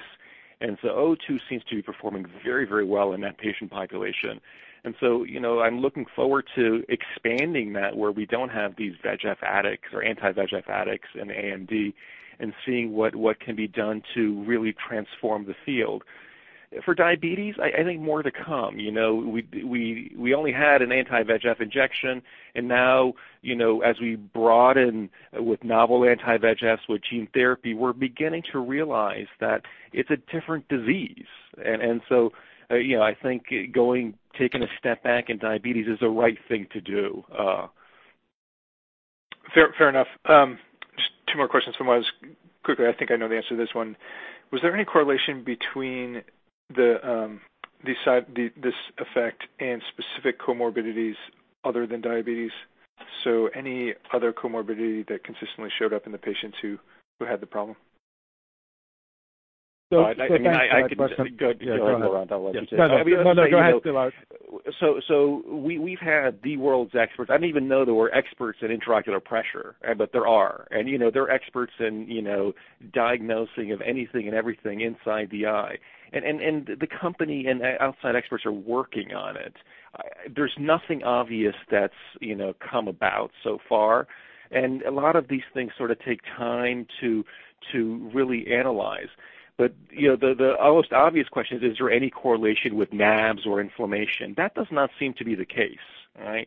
ADVM-022 seems to be performing very well in that patient population. I'm looking forward to expanding that where we don't have these VEGF addicts or anti-VEGF addicts in AMD and seeing what can be done to really transform the field. For diabetes, I think more to come. We only had an anti-VEGF injection and now, as we broaden with novel anti-VEGFs with gene therapy, we're beginning to realize that it's a different disease. I think taking a step back in diabetes is the right thing to do. Fair enough. Just two more questions from us. Quickly, I think I know the answer to this one. Was there any correlation between this effect and specific comorbidities other than diabetes? Any other comorbidity that consistently showed up in the patients who had the problem? Thanks for that question. Go ahead, Laurent. I'll let you take it. No, go ahead, Szilárd. We've had the world's experts. I didn't even know there were experts in intraocular pressure, but there are. There are experts in diagnosing of anything and everything inside the eye. The company and outside experts are working on it. There's nothing obvious that's come about so far. A lot of these things sort of take time to really analyze. The almost obvious question is: Is there any correlation with NAbs or inflammation? That does not seem to be the case, right?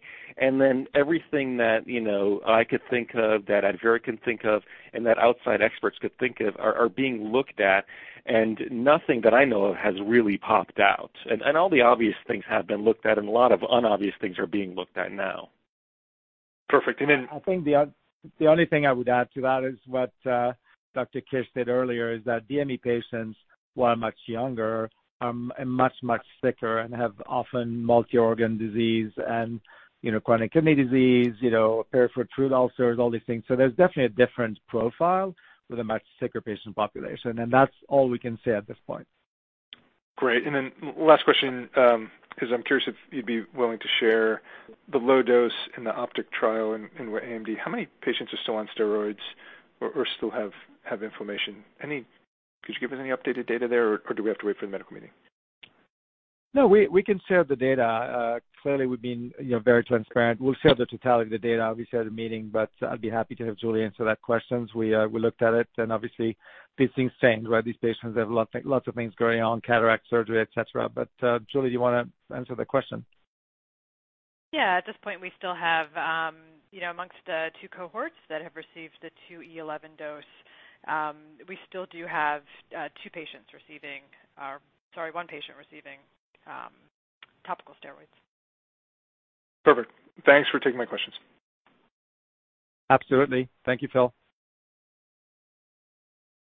Everything that I could think of, that Adverum can think of, and that outside experts could think of are being looked at, and nothing that I know of has really popped out. All the obvious things have been looked at, and a lot of unobvious things are being looked at now. Perfect. I think the only thing I would add to that is what Dr. Kiss said earlier, is that DME patients who are much younger are much sicker and have often multi-organ disease and chronic kidney disease, peripheral foot ulcers, all these things. There's definitely a different profile with a much sicker patient population. That's all we can say at this point. Great. Last question, because I'm curious if you'd be willing to share the low dose in the OPTIC trial in AMD. How many patients are still on steroids or still have inflammation? Could you give us any updated data there, or do we have to wait for the medical meeting? No, we can share the data. Clearly, we've been very transparent. We'll share the totality of the data, obviously, at the meeting, but I'd be happy to have Julie answer that question. Obviously these things change, right? These patients have lots of things going on, cataract surgery, et cetera. Julie, do you want to answer the question? Yeah. At this point, amongst the two cohorts that have received the 2E11 dose, we still do have one patient receiving topical steroids. Perfect. Thanks for taking my questions. Absolutely. Thank you, Phil.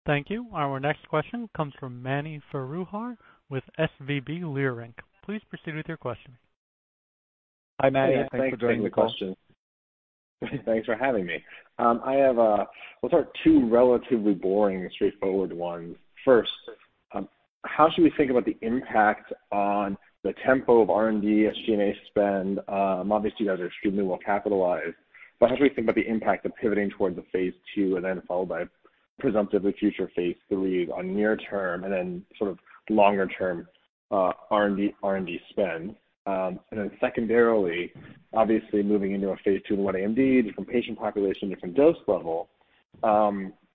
Thank you. Our next question comes from Mani Foroohar with SVB Leerink. Please proceed with your question. Hi, Mani. Thanks for taking the call. Thanks for having me. I have what are two relatively boring, straightforward ones. How should we think about the impact on the tempo of R&D SG&A spend? Obviously, you guys are extremely well capitalized. How should we think about the impact of pivoting towards the phase II and then followed by presumptively future phase III on near term and then sort of longer term R&D spend? Secondarily, obviously moving into a phase II and wet AMD, different patient population, different dose level.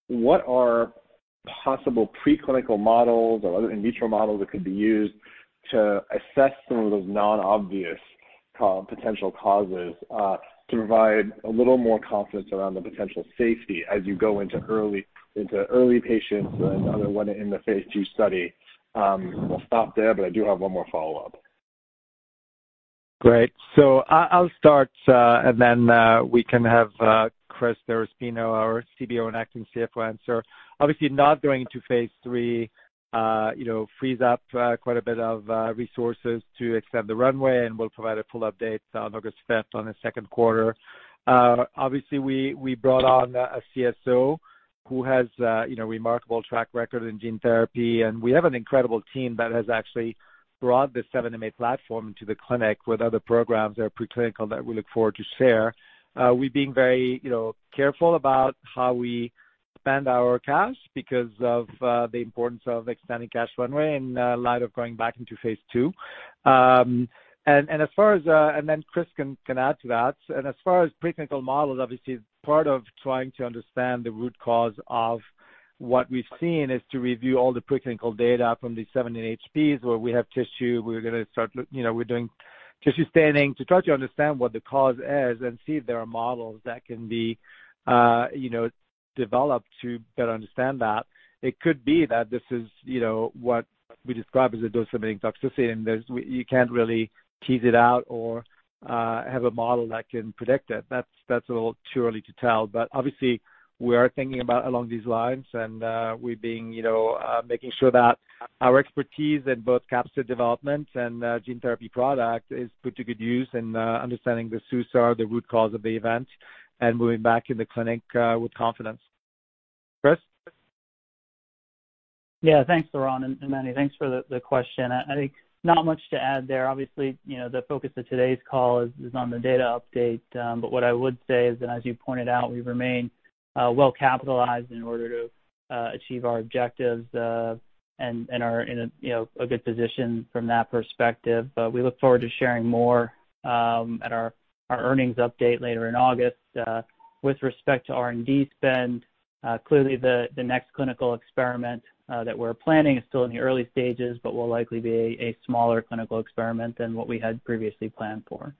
What are possible preclinical models or other in vitro models that could be used to assess some of those non-obvious potential causes to provide a little more confidence around the potential safety as you go into early patients and other one in the Phase II study? We'll stop there. I do have one more follow-up. Great. I'll start and then we can have Chris DeRespino, our CBO and acting CFO, answer. Obviously, not going into phase III frees up quite a bit of resources to extend the runway, and we'll provide a full update on August 5 on the second quarter. Obviously, we brought on a CSO who has a remarkable track record in gene therapy, and we have an incredible team that has actually brought this 7m8 platform to the clinic with other programs that are preclinical that we look forward to share. We're being very careful about how we spend our cash because of the importance of extending cash runway in light of going back into phase II. Chris can add to that. As far as preclinical models, obviously, part of trying to understand the root cause of what we've seen is to review all the preclinical data from these 7m8 NHPs where we have tissue. We're going to start looking, we're doing tissue staining to try to understand what the cause is and see if there are models that can be developed to better understand that. It could be that this is what we describe as a dose-limiting toxicity, and you can't really tease it out or have a model that can predict it. That's a little too early to tell. Obviously, we are thinking about along these lines and we're making sure that our expertise in both capsid development and gene therapy product is put to good use in understanding the SUSAR, the root cause of the event, and moving back in the clinic with confidence. Chris? Yeah. Thanks, Laurent and Mani. Thanks for the question. I think not much to add there. Obviously, the focus of today's call is on the data update. What I would say is that, as you pointed out, we remain well-capitalized in order to achieve our objectives and are in a good position from that perspective. We look forward to sharing more at our earnings update later in August. With respect to R&D spend, clearly the next clinical experiment that we're planning is still in the early stages but will likely be a smaller clinical experiment than what we had previously planned for.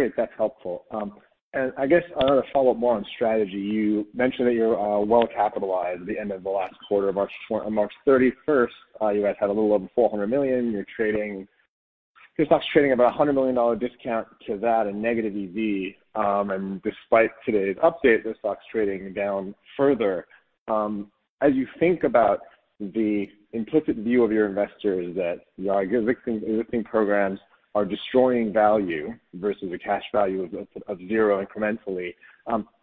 Great. That's helpful. I guess another follow-up more on strategy. You mentioned that you're well-capitalized at the end of the last quarter of March 31st. You guys had a little over $400 million. Your stock's trading about $100 million discount to that and negative EV. Despite today's update, the stock's trading down further. As you think about the implicit view of your investors that your existing programs are destroying value versus a cash value of zero incrementally,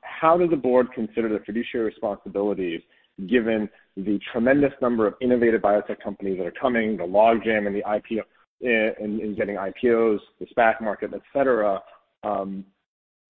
how does the board consider the fiduciary responsibilities given the tremendous number of innovative biotech companies that are coming, the logjam in getting IPOs, the SPAC market, et cetera,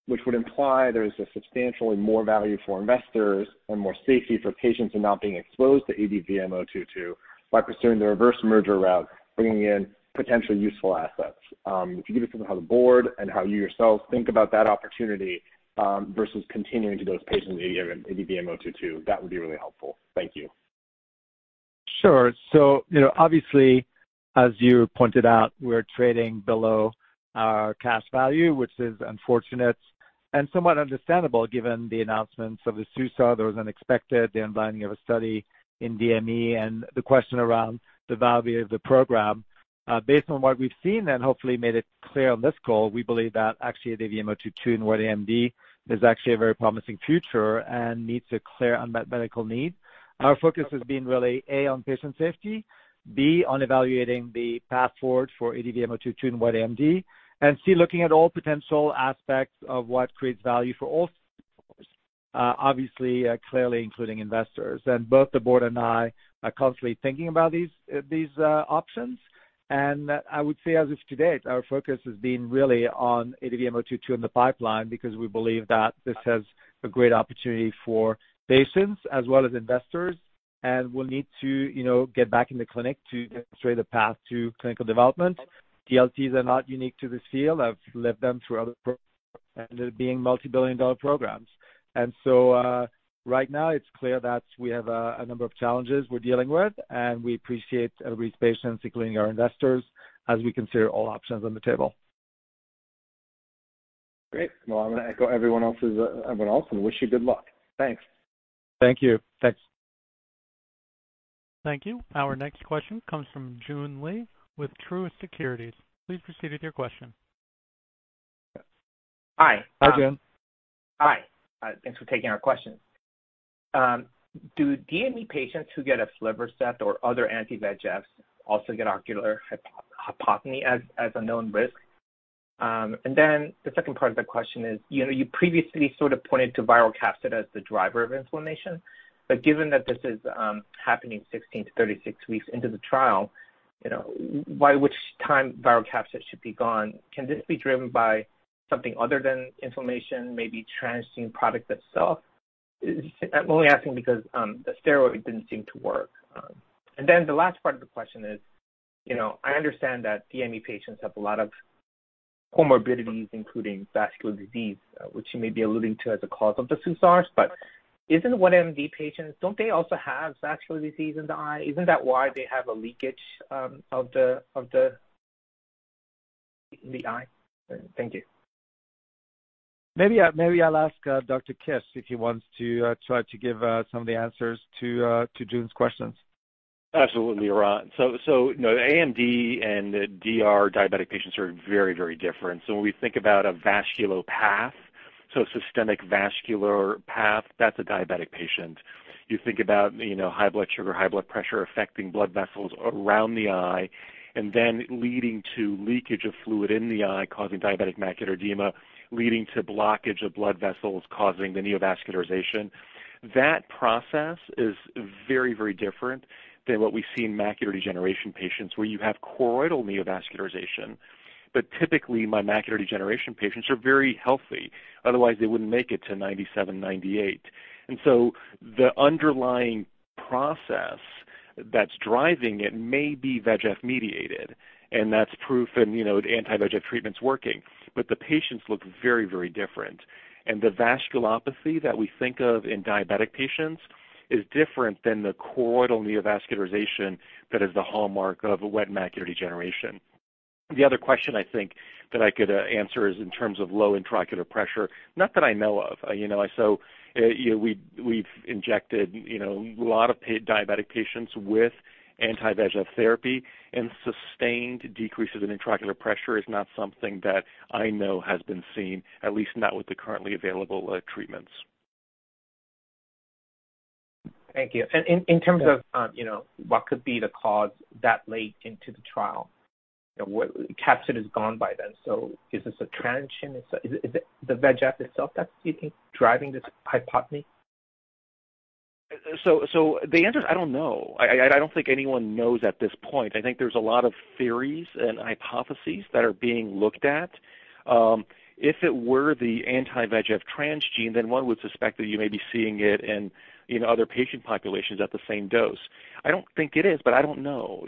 which would imply there's a substantial and more value for investors and more safety for patients in not being exposed to ADVM-022 by pursuing the reverse merger route, bringing in potentially useful assets? If you could give us some how the board and how you yourself think about that opportunity versus continuing to those patients in ADVM-022, that would be really helpful. Thank you. Obviously, as you pointed out, we're trading below our cash value, which is unfortunate and somewhat understandable given the announcements of the SUSAR. There was unexpected the unblinding of a study in DME and the question around the value of the program. Based on what we've seen and hopefully made it clear on this call, we believe that actually ADVM-022 in wet AMD is actually a very promising future and meets a clear unmet medical need. Our focus has been really, A, on patient safety, B, on evaluating the path forward for ADVM-022 in wet AMD, and C, looking at all potential aspects of what creates value for all stakeholders, obviously, clearly including investors. Both the board and I are constantly thinking about these options. I would say as of date, our focus has been really on ADVM-022 in the pipeline because we believe that this has a great opportunity for patients as well as investors, and we'll need to get back in the clinic to demonstrate a path to clinical development. DLTs are not unique to this field, I've lived them through other programs, ended up being multi-billion dollar programs. Right now it's clear that we have a number of challenges we're dealing with, and we appreciate everybody's patience, including our investors, as we consider all options on the table. Great. Well, I'm going to echo everyone else and wish you good luck. Thanks. Thank you. Thanks. Thank you. Our next question comes from Joon Lee with Truist Securities. Please proceed with your question. Hi. Hi, Joon. Hi. Thanks for taking our questions. Do DME patients who get aflibercept or other anti-VEGFs also get ocular hypopyon as a known risk? The second part of the question is, you previously sort of pointed to viral capsid as the driver of inflammation. Given that this is happening 16-36 weeks into the trial, by which time viral capsid should be gone, can this be driven by something other than inflammation, maybe transgene product itself? I'm only asking because the steroid didn't seem to work. The last part of the question is, I understand that DME patients have a lot of comorbidities, including vascular disease, which you may be alluding to as a cause of the SUSARs. Isn't wet AMD patients, don't they also have vascular disease in the eye? Isn't that why they have a leakage in the eye? Thank you. Maybe I'll ask Dr. Kiss if he wants to try to give some of the answers to Joon's questions. Absolutely, Laurent. AMD and DR diabetic patients are very different. When we think about a vasculopathy, systemic vascular path, that's a diabetic patient. You think about high blood sugar, high blood pressure affecting blood vessels around the eye and then leading to leakage of fluid in the eye, causing diabetic macular edema, leading to blockage of blood vessels, causing the neovascularization. That process is very different than what we see in macular degeneration patients, where you have choroidal neovascularization. Typically, my macular degeneration patients are very healthy, otherwise they wouldn't make it to 97, 98. The underlying process that's driving it may be VEGF mediated, and that's proof in the anti-VEGF treatment's working. The patients look very different, and the vasculopathy that we think of in diabetic patients is different than the choroidal neovascularization that is the hallmark of wet macular degeneration. The other question I think that I could answer is in terms of low intraocular pressure, not that I know of. We've injected a lot of diabetic patients with anti-VEGF therapy, and sustained decreases in intraocular pressure is not something that I know has been seen, at least not with the currently available treatments. Thank you. In terms of what could be the cause that late into the trial. Capsid is gone by then, so is this a transgene? Is it the VEGF itself that you think is driving this hypotony? The answer is I don't know. I don't think anyone knows at this point. I think there's a lot of theories and hypotheses that are being looked at. If it were the anti-VEGF transgene, then one would suspect that you may be seeing it in other patient populations at the same dose. I don't think it is, but I don't know.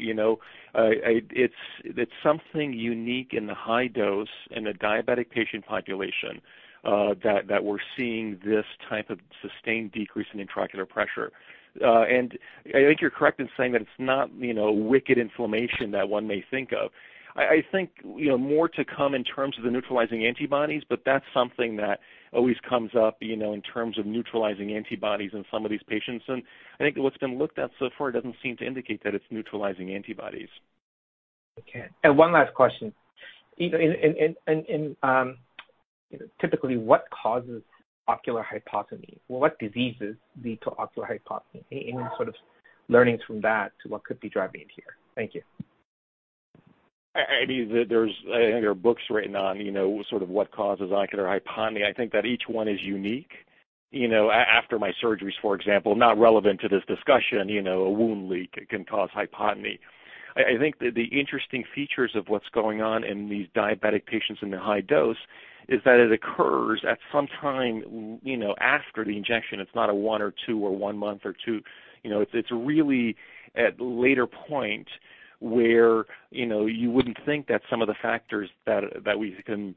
It's something unique in the high dose in the diabetic patient population, that we're seeing this type of sustained decrease in intraocular pressure. I think you're correct in saying that it's not wicked inflammation that one may think of. I think more to come in terms of the neutralizing antibodies, but that's something that always comes up in terms of neutralizing antibodies in some of these patients. I think that what's been looked at so far doesn't seem to indicate that it's neutralizing antibodies. Okay. One last question. Typically, what causes ocular hypotony? What diseases lead to ocular hypotony? Any sort of learnings from that to what could be driving it here? Thank you. I think there are books written on what causes ocular hypotony. I think that each one is unique. After my surgeries, for example, not relevant to this discussion, a wound leak can cause hypotony. I think that the interesting features of what's going on in these diabetic patients in the high dose is that it occurs at some time after the injection. It's not a one or two or one month or two. It's really at later point where you wouldn't think that some of the factors that we can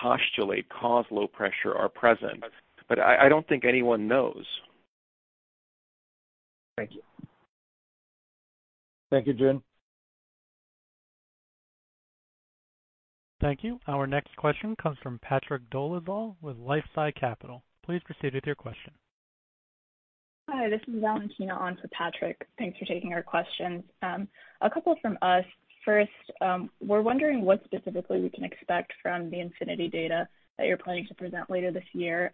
postulate cause low pressure are present. I don't think anyone knows. Thank you. Thank you, Joon. Thank you. Our next question comes from Patrick Dolezal with LifeSci Capital. Please proceed with your question. Hi, this is Valentina on for Patrick. Thanks for taking our question. A couple from us. First, we're wondering what specifically we can expect from the INFINITY data that you're planning to present later this year.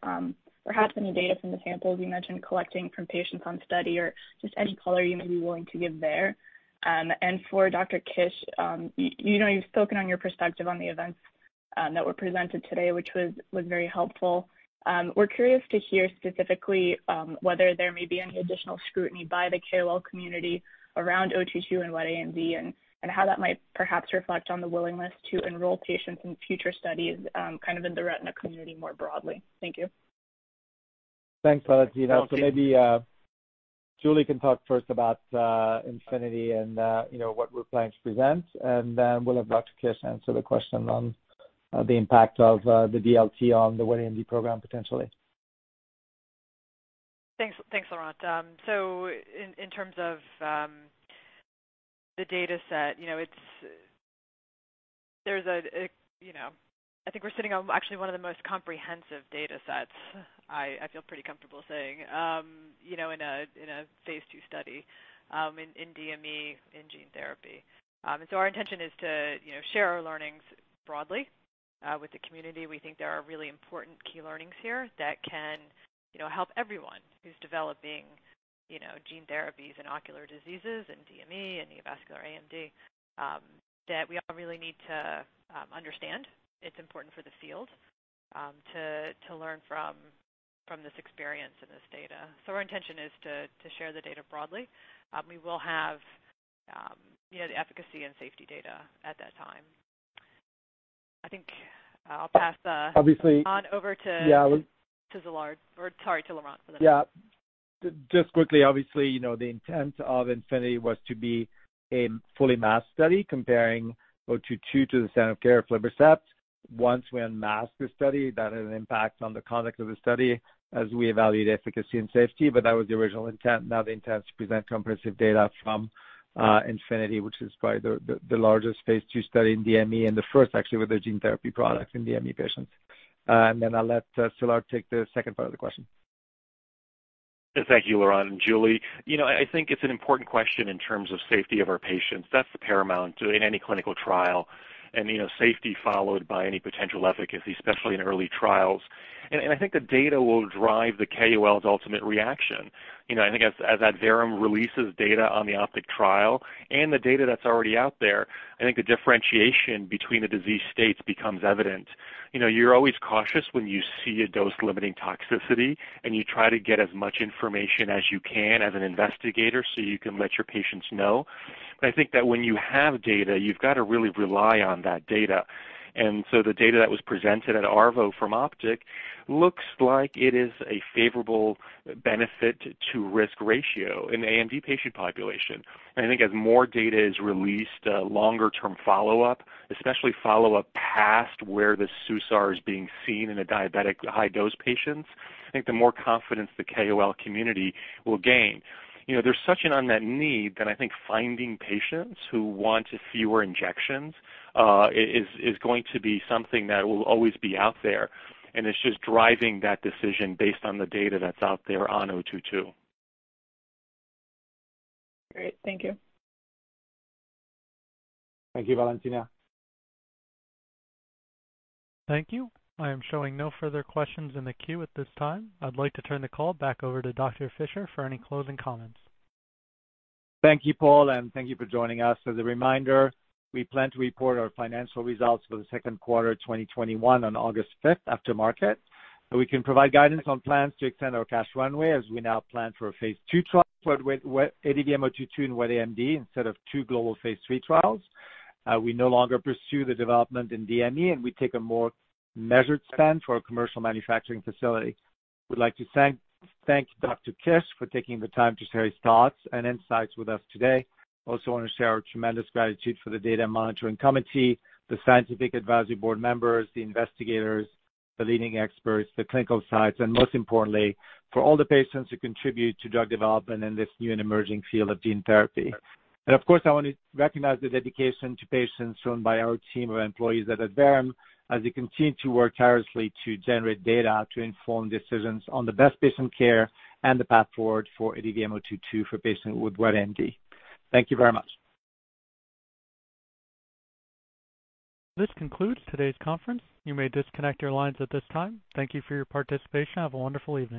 Perhaps any data from the samples you mentioned collecting from patients on study or just any color you may be willing to give there. For Dr. Kiss, you've spoken on your perspective on the events that were presented today, which was very helpful. We're curious to hear specifically whether there may be any additional scrutiny by the KOL community around O22 and wet AMD, and how that might perhaps reflect on the willingness to enroll patients in future studies in the retina community more broadly. Thank you. Thanks, Valentina. Maybe Julie can talk first about INFINITY and what we're planning to present, and then we'll have Dr. Kiss answer the question on the impact of the DLT on the wet AMD program potentially. Thanks, Laurent. In terms of the data set, I think we're sitting on actually one of the most comprehensive data sets, I feel pretty comfortable saying, in a phase II study in DME, in gene therapy. Our intention is to share our learnings broadly with the community. We think there are really important key learnings here that can help everyone who's developing gene therapies in ocular diseases, in DME and neovascular AMD, that we all really need to understand. It's important for the field to learn from this experience and this data. Our intention is to share the data broadly. We will have the efficacy and safety data at that time. Obviously- on over to. Yeah. To Szilárd, or sorry, to Laurent for the next one. Yeah. Just quickly, obviously, the intent of INFINITY was to be a fully masked study comparing ADVM-022 to the standard of care, aflibercept. Once we unmasked the study, that had an impact on the conduct of the study as we evaluated efficacy and safety, but that was the original intent. Now the intent is to present comprehensive data from INFINITY, which is probably the largest phase II study in DME, and the first, actually, with a gene therapy product in DME patients. I'll let Szilárd take the second part of the question. Thank you, Laurent and Julie. I think it's an important question in terms of safety of our patients. That's the paramount in any clinical trial. Safety followed by any potential efficacy, especially in early trials. I think the data will drive the KOL's ultimate reaction. I think as Adverum releases data on the OPTIC trial and the data that's already out there, I think the differentiation between the disease states becomes evident. You're always cautious when you see a dose-limiting toxicity, and you try to get as much information as you can as an investigator so you can let your patients know. I think that when you have data, you've got to really rely on that data. The data that was presented at ARVO from OPTIC looks like it is a favorable benefit-to-risk ratio in AMD patient population. I think as more data is released, a longer-term follow-up, especially follow-up past where the SUSAR is being seen in the diabetic high-dose patients, I think the more confidence the KOL community will gain. There's such an unmet need that I think finding patients who want fewer injections is going to be something that will always be out there. It's just driving that decision based on the data that's out there on O22. Great. Thank you. Thank you, Valentina. Thank you. I am showing no further questions in the queue at this time. I'd like to turn the call back over to Dr. Fischer for any closing comments. Thank you, Paul. Thank you for joining us. As a reminder, we plan to report our financial results for the second quarter 2021 on August fifth after market. We can provide guidance on plans to extend our cash runway as we now plan for a phase II trial with ADVM-022 in wet AMD instead of two global phase III trials. We no longer pursue the development in DME, and we take a more measured spend for our commercial manufacturing facility. We'd like to thank Dr. Kiss for taking the time to share his thoughts and insights with us today. Also want to share our tremendous gratitude for the Data Monitoring Committee, the Scientific Advisory Board members, the investigators, the leading experts, the clinical sites, and most importantly, for all the patients who contribute to drug development in this new and emerging field of gene therapy. Of course, I want to recognize the dedication to patients shown by our team of employees at Adverum as we continue to work tirelessly to generate data to inform decisions on the best patient care and the path forward for ADVM-022 for patients with wet AMD. Thank you very much. This concludes today's conference. You may disconnect your lines at this time. Thank you for your participation. Have a wonderful evening.